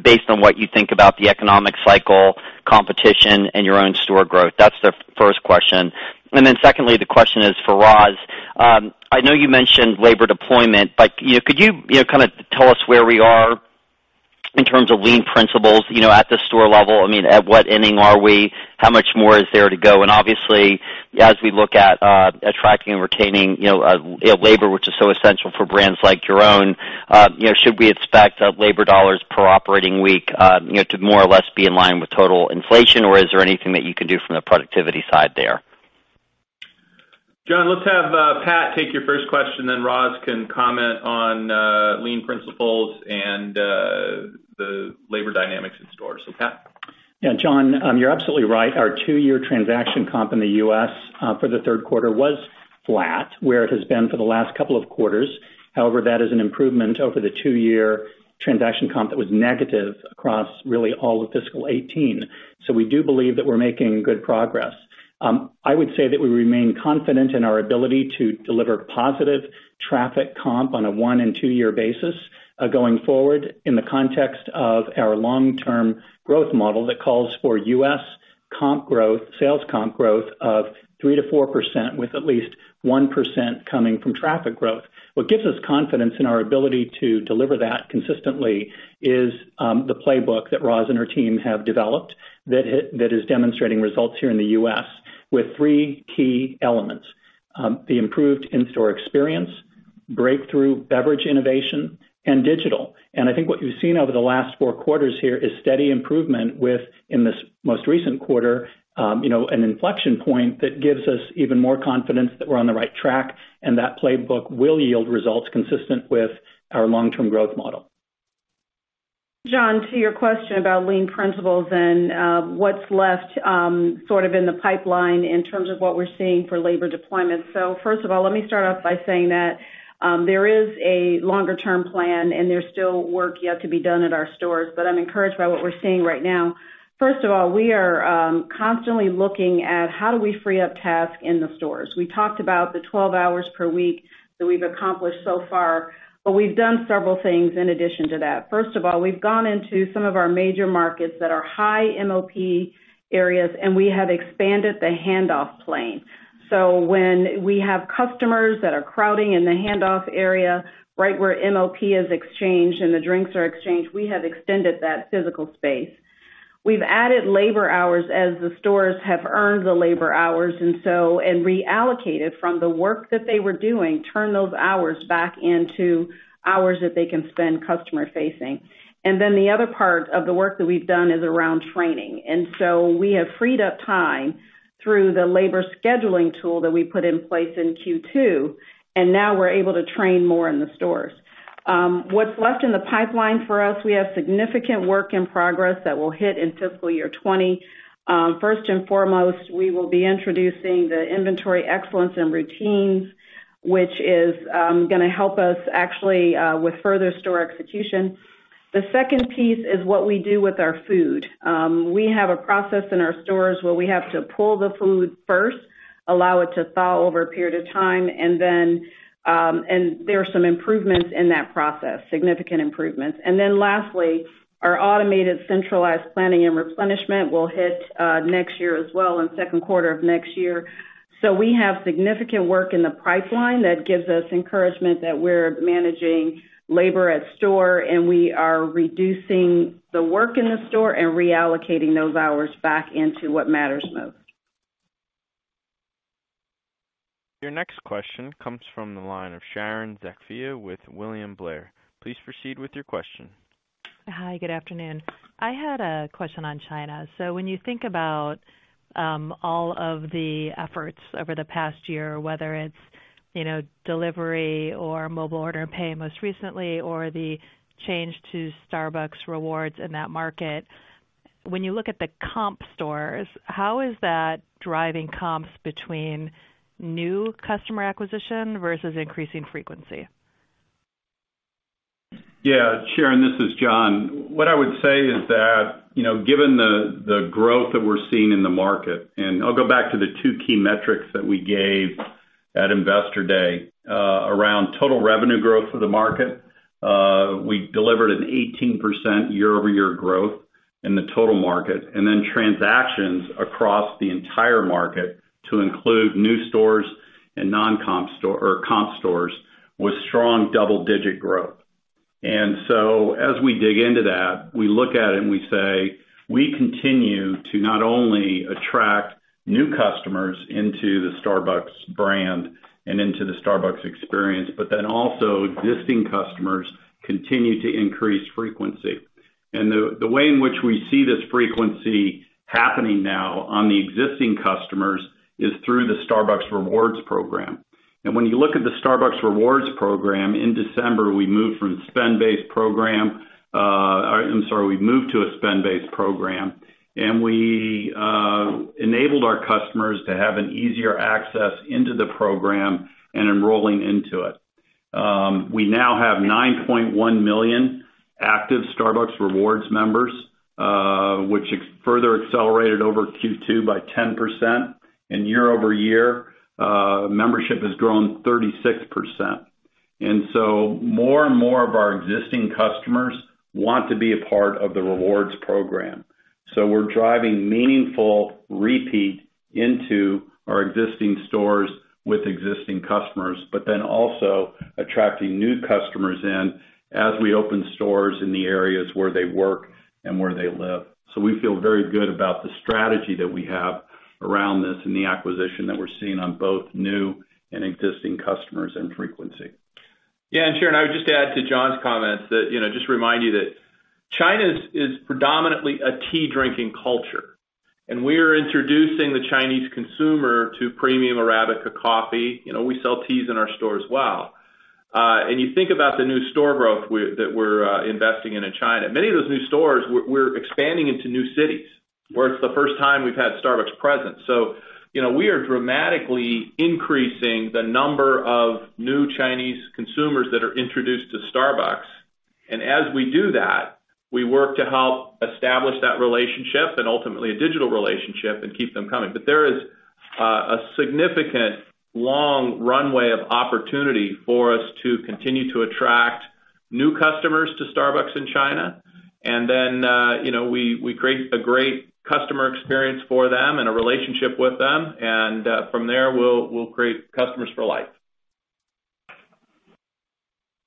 based on what you think about the economic cycle, competition, and your own store growth? That's the first question. Secondly, the question is for Roz. I know you mentioned labor deployment, but could you tell us where we are in terms of lean principles at the store level? I mean, at what inning are we? How much more is there to go? Obviously, as we look at attracting and retaining labor, which is so essential for brands like your own, should we expect labor dollars per operating week to more or less be in line with total inflation, or is there anything that you can do from the productivity side there? John, let's have Pat take your first question, then Roz can comment on lean principles and the labor dynamics in stores. Pat. Yeah, John, you're absolutely right. Our two-year transaction comp in the U.S. for the third quarter was flat, where it has been for the last couple of quarters. However, that is an improvement over the two-year transaction comp that was negative across really all of fiscal 2018. We do believe that we're making good progress. I would say that we remain confident in our ability to deliver positive traffic comp on a one- and two-year basis going forward in the context of our long-term growth model that calls for U.S. sales comp growth of 3%-4% with at least 1% coming from traffic growth. What gives us confidence in our ability to deliver that consistently is the playbook that Roz and her team have developed that is demonstrating results here in the U.S. with three key elements. The improved in-store experience, breakthrough beverage innovation, and digital. I think what you've seen over the last four quarters here is steady improvement with, in this most recent quarter, an inflection point that gives us even more confidence that we're on the right track, and that playbook will yield results consistent with our long-term growth model. John, to your question about lean principles and what's left sort of in the pipeline in terms of what we're seeing for labor deployment. First of all, let me start off by saying that there is a longer-term plan, and there's still work yet to be done at our stores, but I'm encouraged by what we're seeing right now. First of all, we are constantly looking at how do we free up tasks in the stores. We talked about the 12 hours per week that we've accomplished so far, but we've done several things in addition to that. First of all, we've gone into some of our major markets that are high MOP areas, and we have expanded the handoff plane. When we have customers that are crowding in the handoff area right where MOP is exchanged and the drinks are exchanged, we have extended that physical space. We've added labor hours as the stores have earned the labor hours, and reallocated from the work that they were doing, turn those hours back into hours that they can spend customer facing. The other part of the work that we've done is around training. We have freed up time through the labor scheduling tool that we put in place in Q2, and now we're able to train more in the stores. What's left in the pipeline for us, we have significant work in progress that will hit in fiscal year 2020. First and foremost, we will be introducing the inventory excellence and routines, which is going to help us actually with further store execution. The second piece is what we do with our food. We have a process in our stores where we have to pull the food first, allow it to thaw over a period of time, there are some improvements in that process, significant improvements. Lastly, our automated centralized planning and replenishment will hit next year as well, in second quarter of next year. We have significant work in the pipeline that gives us encouragement that we're managing labor at store, and we are reducing the work in the store and reallocating those hours back into what matters most. Your next question comes from the line of Sharon Zackfia with William Blair. Please proceed with your question. Hi, good afternoon. I had a question on China. When you think about all of the efforts over the past year, whether it's delivery or Mobile Order & Pay most recently, or the change to Starbucks Rewards in that market. When you look at the comp stores, how is that driving comps between new customer acquisition versus increasing frequency? Yeah, Sharon, this is John. What I would say is that, given the growth that we're seeing in the market, I'll go back to the two key metrics that we gave at Investor Day around total revenue growth for the market. We delivered an 18% year-over-year growth in the total market, transactions across the entire market to include new stores and comp stores with strong double-digit growth. As we dig into that, we look at it and we say, we continue to not only attract new customers into the Starbucks brand and into the Starbucks experience, also existing customers continue to increase frequency. The way in which we see this frequency happening now on the existing customers is through the Starbucks Rewards program. When you look at the Starbucks Rewards program, in December, we moved to a spend-based program. We enabled our customers to have an easier access into the program and enrolling into it. We now have 9.1 million active Starbucks Rewards members, which further accelerated over Q2 by 10%. Year-over-year, membership has grown 36%. More and more of our existing customers want to be a part of the rewards program. We're driving meaningful repeat into our existing stores with existing customers, but then also attracting new customers in as we open stores in the areas where they work and where they live. We feel very good about the strategy that we have around this and the acquisition that we're seeing on both new and existing customers and frequency. Sharon, I would just add to John's comments that, just remind you that China is predominantly a tea-drinking culture, and we're introducing the Chinese consumer to premium arabica coffee. We sell teas in our store as well. You think about the new store growth that we're investing in China. Many of those new stores, we're expanding into new cities where it's the first time we've had Starbucks present. We are dramatically increasing the number of new Chinese consumers that are introduced to Starbucks. As we do that, we work to help establish that relationship and ultimately a digital relationship and keep them coming. There is a significant long runway of opportunity for us to continue to attract new customers to Starbucks in China. We create a great customer experience for them and a relationship with them. From there, we'll create customers for life.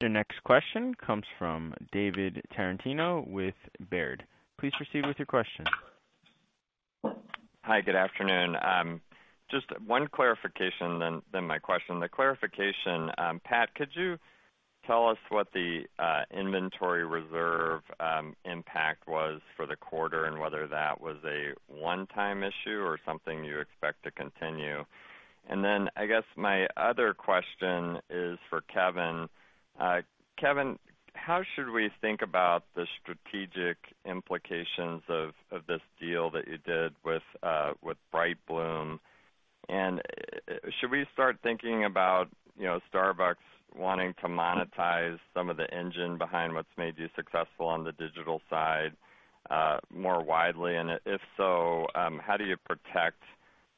Your next question comes from David Tarantino with Baird. Please proceed with your question. Hi, good afternoon. Just one clarification then my question. The clarification, Pat, could you tell us what the inventory reserve impact was for the quarter and whether that was a one-time issue or something you expect to continue? Then I guess my other question is for Kevin. Kevin, how should we think about the strategic implications of this deal that you did with Brightloom? Should we start thinking about Starbucks wanting to monetize some of the engine behind what's made you successful on the digital side more widely? If so, how do you protect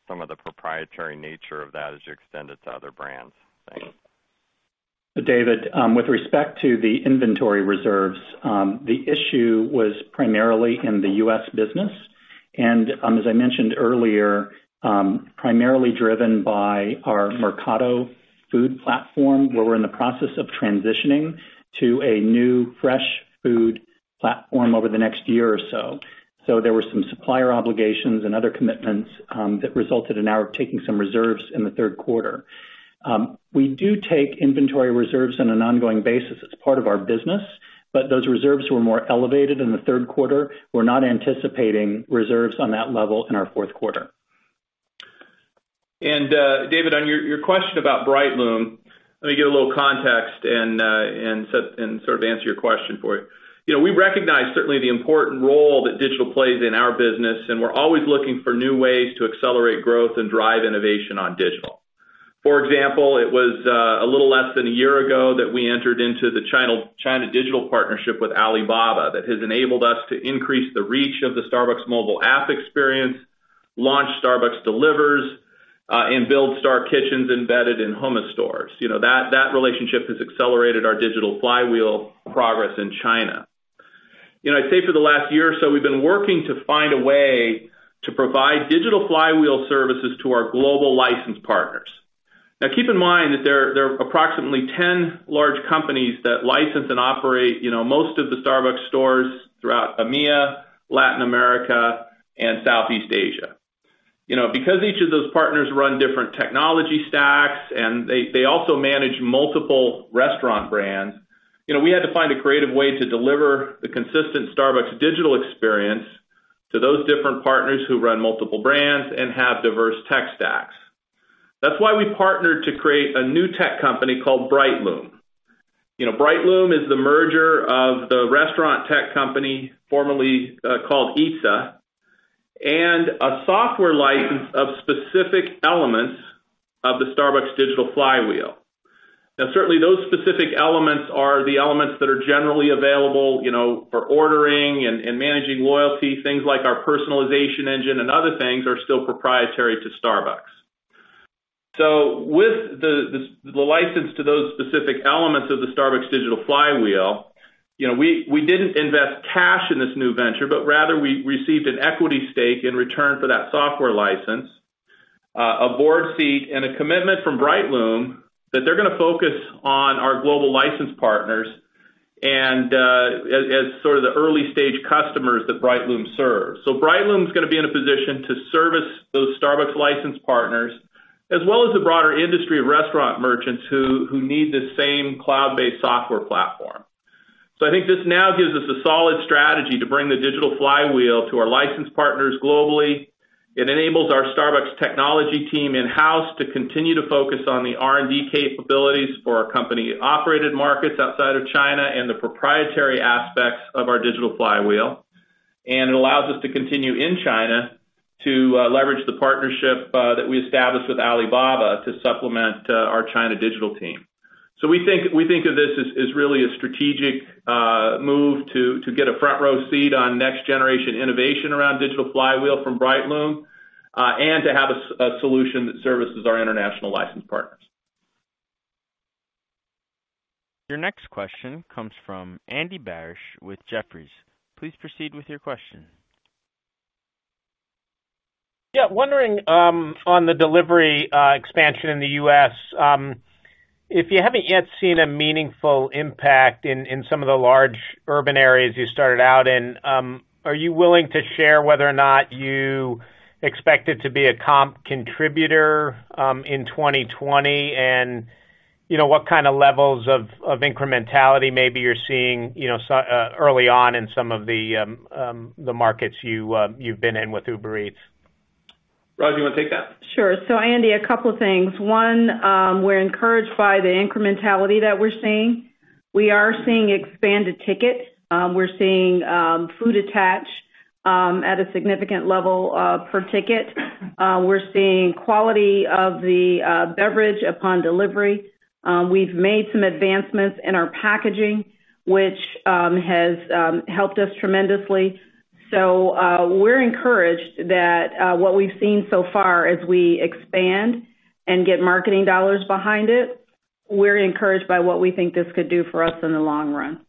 some of the proprietary nature of that as you extend it to other brands? Thanks. David, with respect to the inventory reserves, the issue was primarily in the U.S. business. As I mentioned earlier, primarily driven by our Mercato food platform, where we're in the process of transitioning to a new fresh food platform over the next year or so. There were some supplier obligations and other commitments that resulted in our taking some reserves in the third quarter. We do take inventory reserves on an ongoing basis as part of our business, but those reserves were more elevated in the third quarter. We're not anticipating reserves on that level in our fourth quarter. David, on your question about Brightloom, let me give a little context and sort of answer your question for you. We recognize certainly the important role that digital plays in our business, and we're always looking for new ways to accelerate growth and drive innovation on digital. For example, it was a little less than a year ago that we entered into the China digital partnership with Alibaba that has enabled us to increase the reach of the Starbucks mobile app experience, launch Starbucks Delivers, and build Star Kitchens embedded in Hema stores. That relationship has accelerated our digital flywheel progress in China. I'd say for the last year or so, we've been working to find a way to provide digital flywheel services to our global license partners. Keep in mind that there are approximately 10 large companies that license and operate most of the Starbucks stores throughout EMEA, Latin America, and Southeast Asia. Because each of those partners run different technology stacks and they also manage multiple restaurant brands, we had to find a creative way to deliver the consistent Starbucks digital experience to those different partners who run multiple brands and have diverse tech stacks. That's why we partnered to create a new tech company called Brightloom. Brightloom is the merger of the restaurant tech company formerly called eatsa, and a software license of specific elements of the Starbucks digital flywheel. Certainly those specific elements are the elements that are generally available for ordering and managing loyalty. Things like our personalization engine and other things are still proprietary to Starbucks. With the license to those specific elements of the Starbucks digital flywheel, we didn't invest cash in this new venture, but rather we received an equity stake in return for that software license, a board seat, and a commitment from Brightloom that they're going to focus on our global license partners and as sort of the early-stage customers that Brightloom serves. Brightloom's going to be in a position to service those Starbucks license partners, as well as the broader industry of restaurant merchants who need this same cloud-based software platform. I think this now gives us a solid strategy to bring the digital flywheel to our license partners globally. It enables our Starbucks technology team in-house to continue to focus on the R&D capabilities for our company-operated markets outside of China and the proprietary aspects of our digital flywheel. It allows us to continue in China to leverage the partnership that we established with Alibaba to supplement our China digital team. We think of this as really a strategic move to get a front-row seat on next-generation innovation around digital flywheel from Brightloom, and to have a solution that services our international license partners. Your next question comes from Andy Barish with Jefferies. Please proceed with your question. Yeah. Wondering on the delivery expansion in the U.S., if you haven't yet seen a meaningful impact in some of the large urban areas you started out in, are you willing to share whether or not you expect it to be a comp contributor in 2020? What kind of levels of incrementality maybe you're seeing early on in some of the markets you've been in with Uber Eats? Roz, do you want to take that? Sure. Andy, a couple of things. One, we're encouraged by the incrementality that we're seeing. We are seeing expanded ticket. We're seeing food attach at a significant level per ticket. We're seeing quality of the beverage upon delivery. We've made some advancements in our packaging, which has helped us tremendously. We're encouraged that what we've seen so far as we expand and get marketing dollars behind it, we're encouraged by what we think this could do for us in the long run.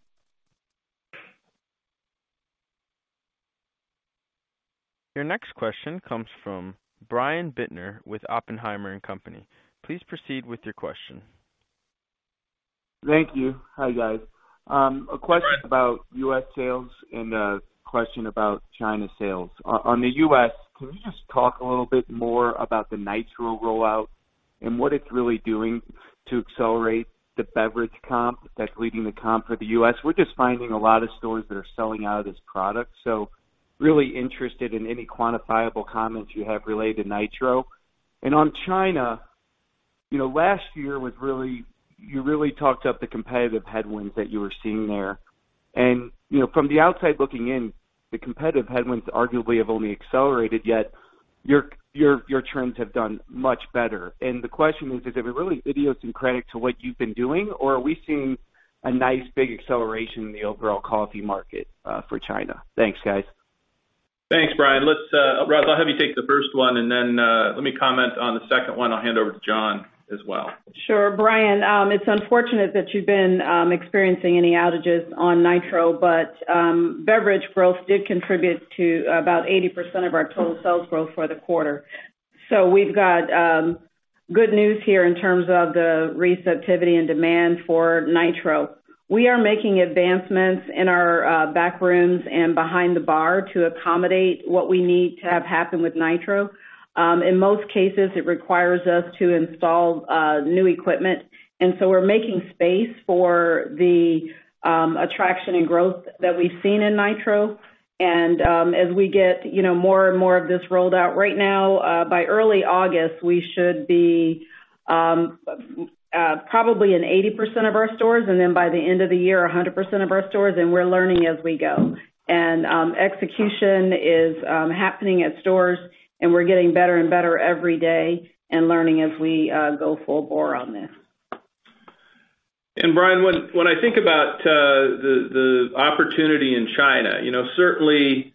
Your next question comes from Brian Bittner with Oppenheimer & Company. Please proceed with your question. Thank you. Hi, guys. A question about U.S. sales and a question about China sales. On the U.S., can you just talk a little bit more about the Nitro rollout and what it's really doing to accelerate the beverage comp that's leading the comp for the U.S.? We're just finding a lot of stores that are selling out of this product, really interested in any quantifiable comments you have related to Nitro. On China, last year you really talked up the competitive headwinds that you were seeing there. From the outside looking in, the competitive headwinds arguably have only accelerated, yet your trends have done much better. The question is it really idiosyncratic to what you've been doing, or are we seeing a nice big acceleration in the overall coffee market for China? Thanks, guys. Thanks, Brian. Roz, I'll have you take the first one, and then let me comment on the second one. I'll hand over to John as well. Sure. Brian, it's unfortunate that you've been experiencing any outages on Nitro. Beverage growth did contribute to about 80% of our total sales growth for the quarter. We've got good news here in terms of the receptivity and demand for Nitro. We are making advancements in our back rooms and behind the bar to accommodate what we need to have happen with Nitro. In most cases, it requires us to install new equipment. We're making space for the attraction and growth that we've seen in Nitro. As we get more and more of this rolled out, right now, by early August, we should be probably in 80% of our stores. By the end of the year, 100% of our stores, and we're learning as we go. Execution is happening at stores, and we're getting better and better every day and learning as we go full bore on this. Brian, when I think about the opportunity in China, certainly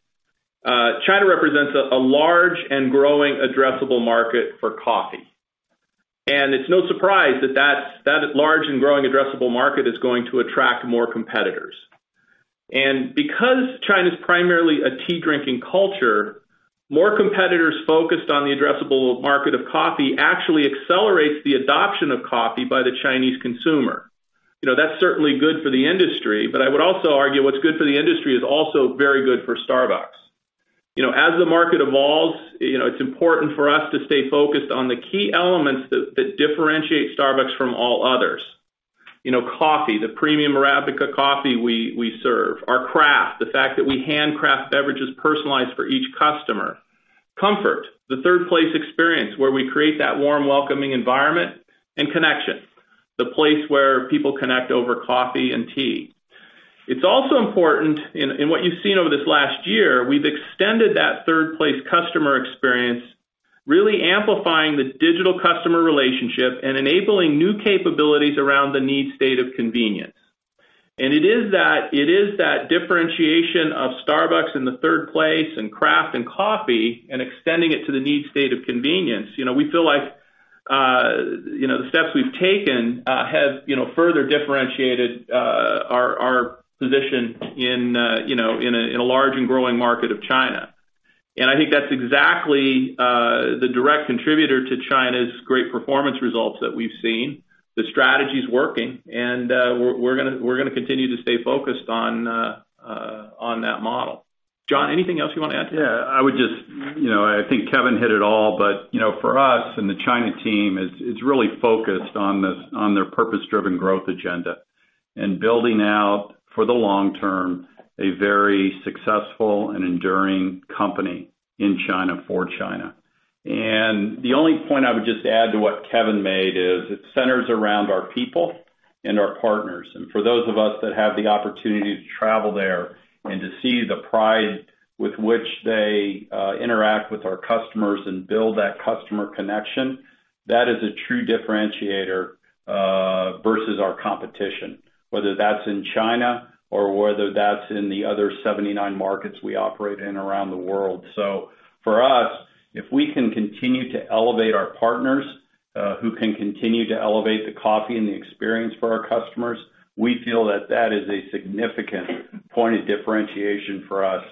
China represents a large and growing addressable market for coffee. It's no surprise that large and growing addressable market is going to attract more competitors. Because China's primarily a tea-drinking culture, more competitors focused on the addressable market of coffee actually accelerates the adoption of coffee by the Chinese consumer. That's certainly good for the industry, but I would also argue what's good for the industry is also very good for Starbucks. As the market evolves, it's important for us to stay focused on the key elements that differentiate Starbucks from all others. Coffee, the premium arabica coffee we serve. Our craft, the fact that we handcraft beverages personalized for each customer. Comfort, the third place experience where we create that warm, welcoming environment, and connection, the place where people connect over coffee and tea. It's also important in what you've seen over this last year, we've extended that third place customer experience, really amplifying the digital customer relationship and enabling new capabilities around the need state of convenience. It is that differentiation of Starbucks in the third place and craft and coffee and extending it to the need state of convenience. We feel like the steps we've taken have further differentiated our position in a large and growing market of China. I think that's exactly the direct contributor to China's great performance results that we've seen. The strategy's working, and we're going to continue to stay focused on that model. John, anything else you want to add to that? I think Kevin hit it all, for us and the China team, it's really focused on their purpose-driven growth agenda and building out for the long-term, a very successful and enduring company in China, for China. The only point I would just add to what Kevin made is it centers around our people and our partners. For those of us that have the opportunity to travel there and to see the pride with which they interact with our customers and build that customer connection, that is a true differentiator versus our competition, whether that's in China or whether that's in the other 79 markets we operate in around the world. For us, if we can continue to elevate our partners, who can continue to elevate the coffee and the experience for our customers, we feel that that is a significant point of differentiation for us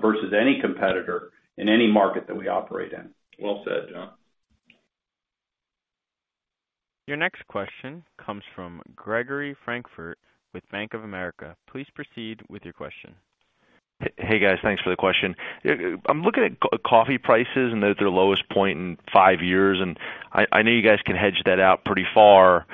versus any competitor in any market that we operate in. Well said, John. Your next question comes from Gregory Francfort with Bank of America. Please proceed with your question. Hey, guys. Thanks for the question. I'm looking at coffee prices, and they're at their lowest point in five years, and I know you guys can hedge that out pretty far.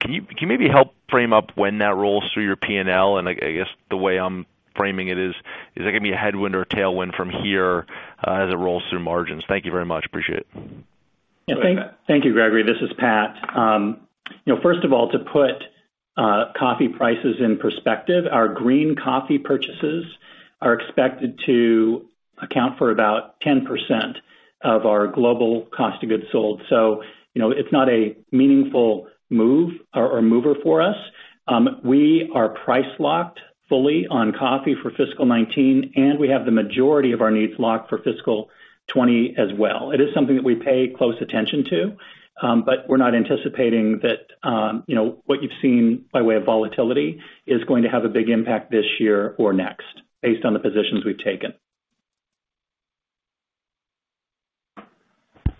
Can you maybe help frame up when that rolls through your P&L? I guess the way I'm framing it is that going to be a headwind or a tailwind from here as it rolls through margins? Thank you very much. Appreciate it. Go ahead, Pat. Thank you, Gregory. This is Pat. First of all, to put coffee prices in perspective, our green coffee purchases are expected to account for about 10% of our global cost of goods sold. It's not a meaningful mover for us. We are price-locked fully on coffee for fiscal 2019, and we have the majority of our needs locked for fiscal 2020 as well. It is something that we pay close attention to, but we're not anticipating that what you've seen by way of volatility is going to have a big impact this year or next based on the positions we've taken.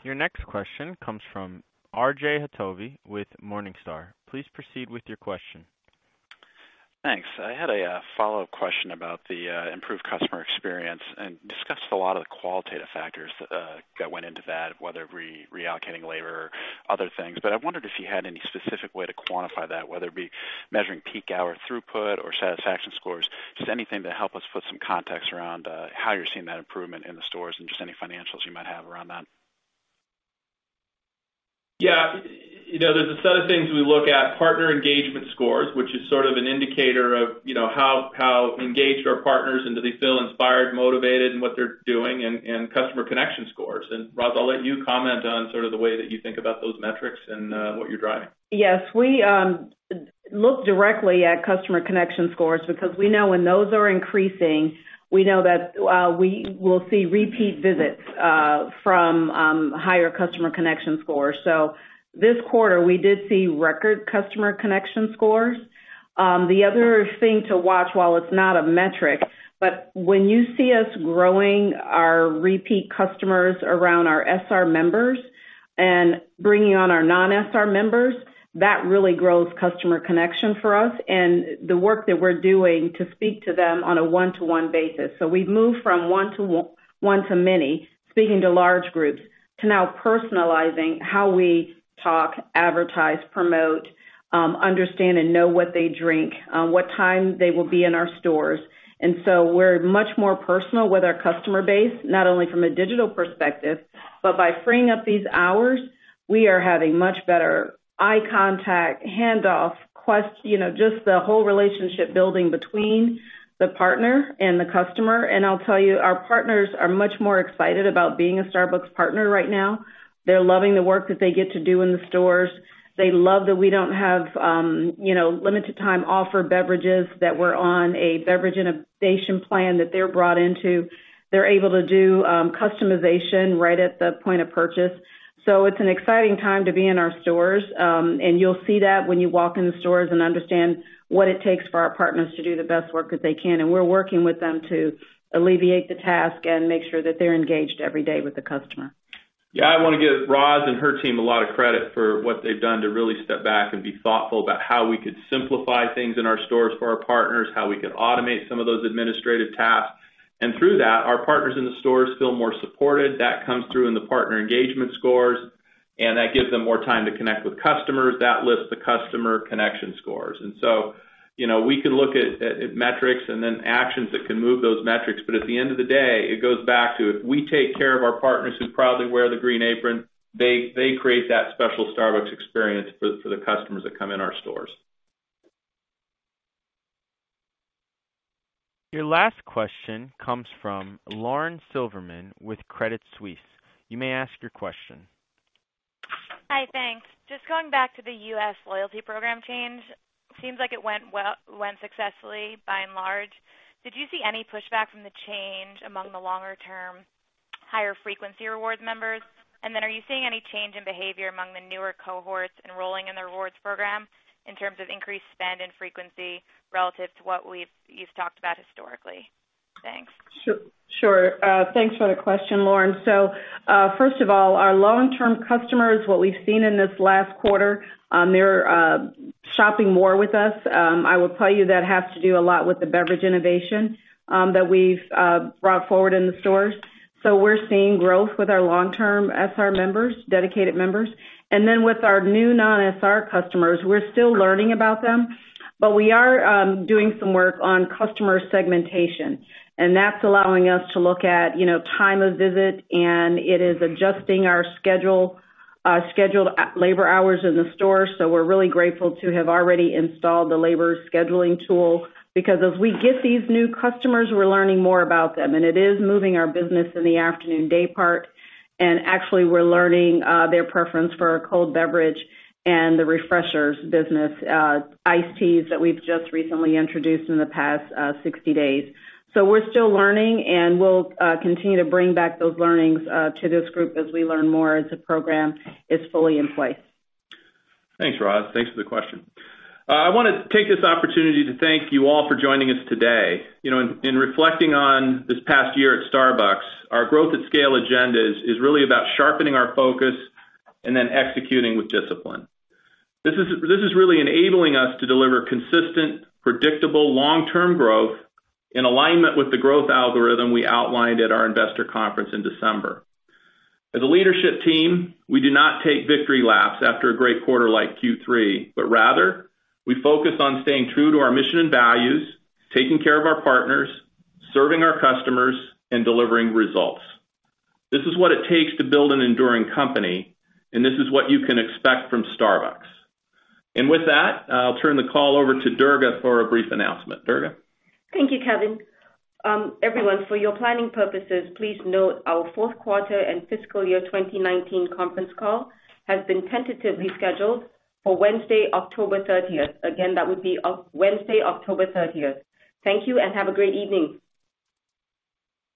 Your next question comes from R.J. Hottovy with Morningstar. Please proceed with your question. Thanks. I had a follow-up question about the improved customer experience and discussed a lot of the qualitative factors that went into that, whether reallocating labor or other things. I wondered if you had any specific way to quantify that, whether it be measuring peak hour throughput or satisfaction scores. Just anything to help us put some context around how you're seeing that improvement in the stores and just any financials you might have around that. Yeah. There's a set of things we look at. Partner engagement scores, which is sort of an indicator of how engaged our partners and do they feel inspired, motivated in what they're doing, and customer connection scores. Roz, I'll let you comment on sort of the way that you think about those metrics and what you're driving. Yes. We look directly at customer connection scores because we know when those are increasing, we know that we will see repeat visits from higher customer connection scores. This quarter, we did see record customer connection scores. The other thing to watch, while it's not a metric, but when you see us growing our repeat customers around our SR members and bringing on our non-SR members, that really grows customer connection for us and the work that we're doing to speak to them on a one-to-one basis. We've moved from one to many, speaking to large groups, to now personalizing how we talk, advertise, promote, understand, and know what they drink, what time they will be in our stores. We're much more personal with our customer base, not only from a digital perspective, but by freeing up these hours, we are having much better eye contact, handoff, just the whole relationship building between the partner and the customer. I'll tell you, our partners are much more excited about being a Starbucks partner right now. They're loving the work that they get to do in the stores. They love that we don't have limited time offer beverages, that we're on a beverage innovation plan that they're brought into. They're able to do customization right at the point of purchase. It's an exciting time to be in our stores. You'll see that when you walk in the stores and understand what it takes for our partners to do the best work that they can. We're working with them to alleviate the task and make sure that they're engaged every day with the customer. Yeah, I want to give Roz and her team a lot of credit for what they've done to really step back and be thoughtful about how we could simplify things in our stores for our partners, how we could automate some of those administrative tasks. Through that, our partners in the stores feel more supported. That comes through in the partner engagement scores, and that gives them more time to connect with customers. That lifts the customer connection scores. We can look at metrics and then actions that can move those metrics. At the end of the day, it goes back to if we take care of our partners who proudly wear the green apron, they create that special Starbucks experience for the customers that come in our stores. Your last question comes from Lauren Silberman with Credit Suisse. You may ask your question. Hi, thanks. Just going back to the U.S. Rewards program change, seems like it went successfully by and large. Did you see any pushback from the change among the longer-term, higher frequency Rewards members? Are you seeing any change in behavior among the newer cohorts enrolling in the Rewards program in terms of increased spend and frequency relative to what you've talked about historically? Thanks. Sure. Thanks for the question, Lauren. First of all, our long-term customers, what we've seen in this last quarter, they're shopping more with us. I will tell you that has to do a lot with the beverage innovation that we've brought forward in the stores. We're seeing growth with our long-term SR members, dedicated members. Then with our new non-SR customers, we're still learning about them, but we are doing some work on customer segmentation, and that's allowing us to look at time of visit, and it is adjusting our scheduled labor hours in the store. We're really grateful to have already installed the labor scheduling tool, because as we get these new customers, we're learning more about them, and it is moving our business in the afternoon day part. Actually, we're learning their preference for our cold beverage and the Starbucks Refreshers business, iced teas that we've just recently introduced in the past 60 days. We're still learning, and we'll continue to bring back those learnings to this group as we learn more as the program is fully in place. Thanks, Roz. Thanks for the question. I want to take this opportunity to thank you all for joining us today. In reflecting on this past year at Starbucks, our growth at scale agenda is really about sharpening our focus and then executing with discipline. This is really enabling us to deliver consistent, predictable, long-term growth in alignment with the growth algorithm we outlined at our investor conference in December. As a leadership team, we do not take victory laps after a great quarter like Q3, but rather, we focus on staying true to our mission and values, taking care of our partners, serving our customers, and delivering results. This is what it takes to build an enduring company, and this is what you can expect from Starbucks. With that, I'll turn the call over to Durga for a brief announcement. Durga? Thank you, Kevin. Everyone, for your planning purposes, please note our fourth quarter and fiscal year 2019 conference call has been tentatively scheduled for Wednesday, October 30th. Again, that would be Wednesday, October 30th. Thank you and have a great evening.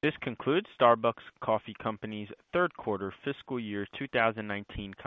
This concludes Starbucks Coffee Company's third quarter fiscal year 2019 results.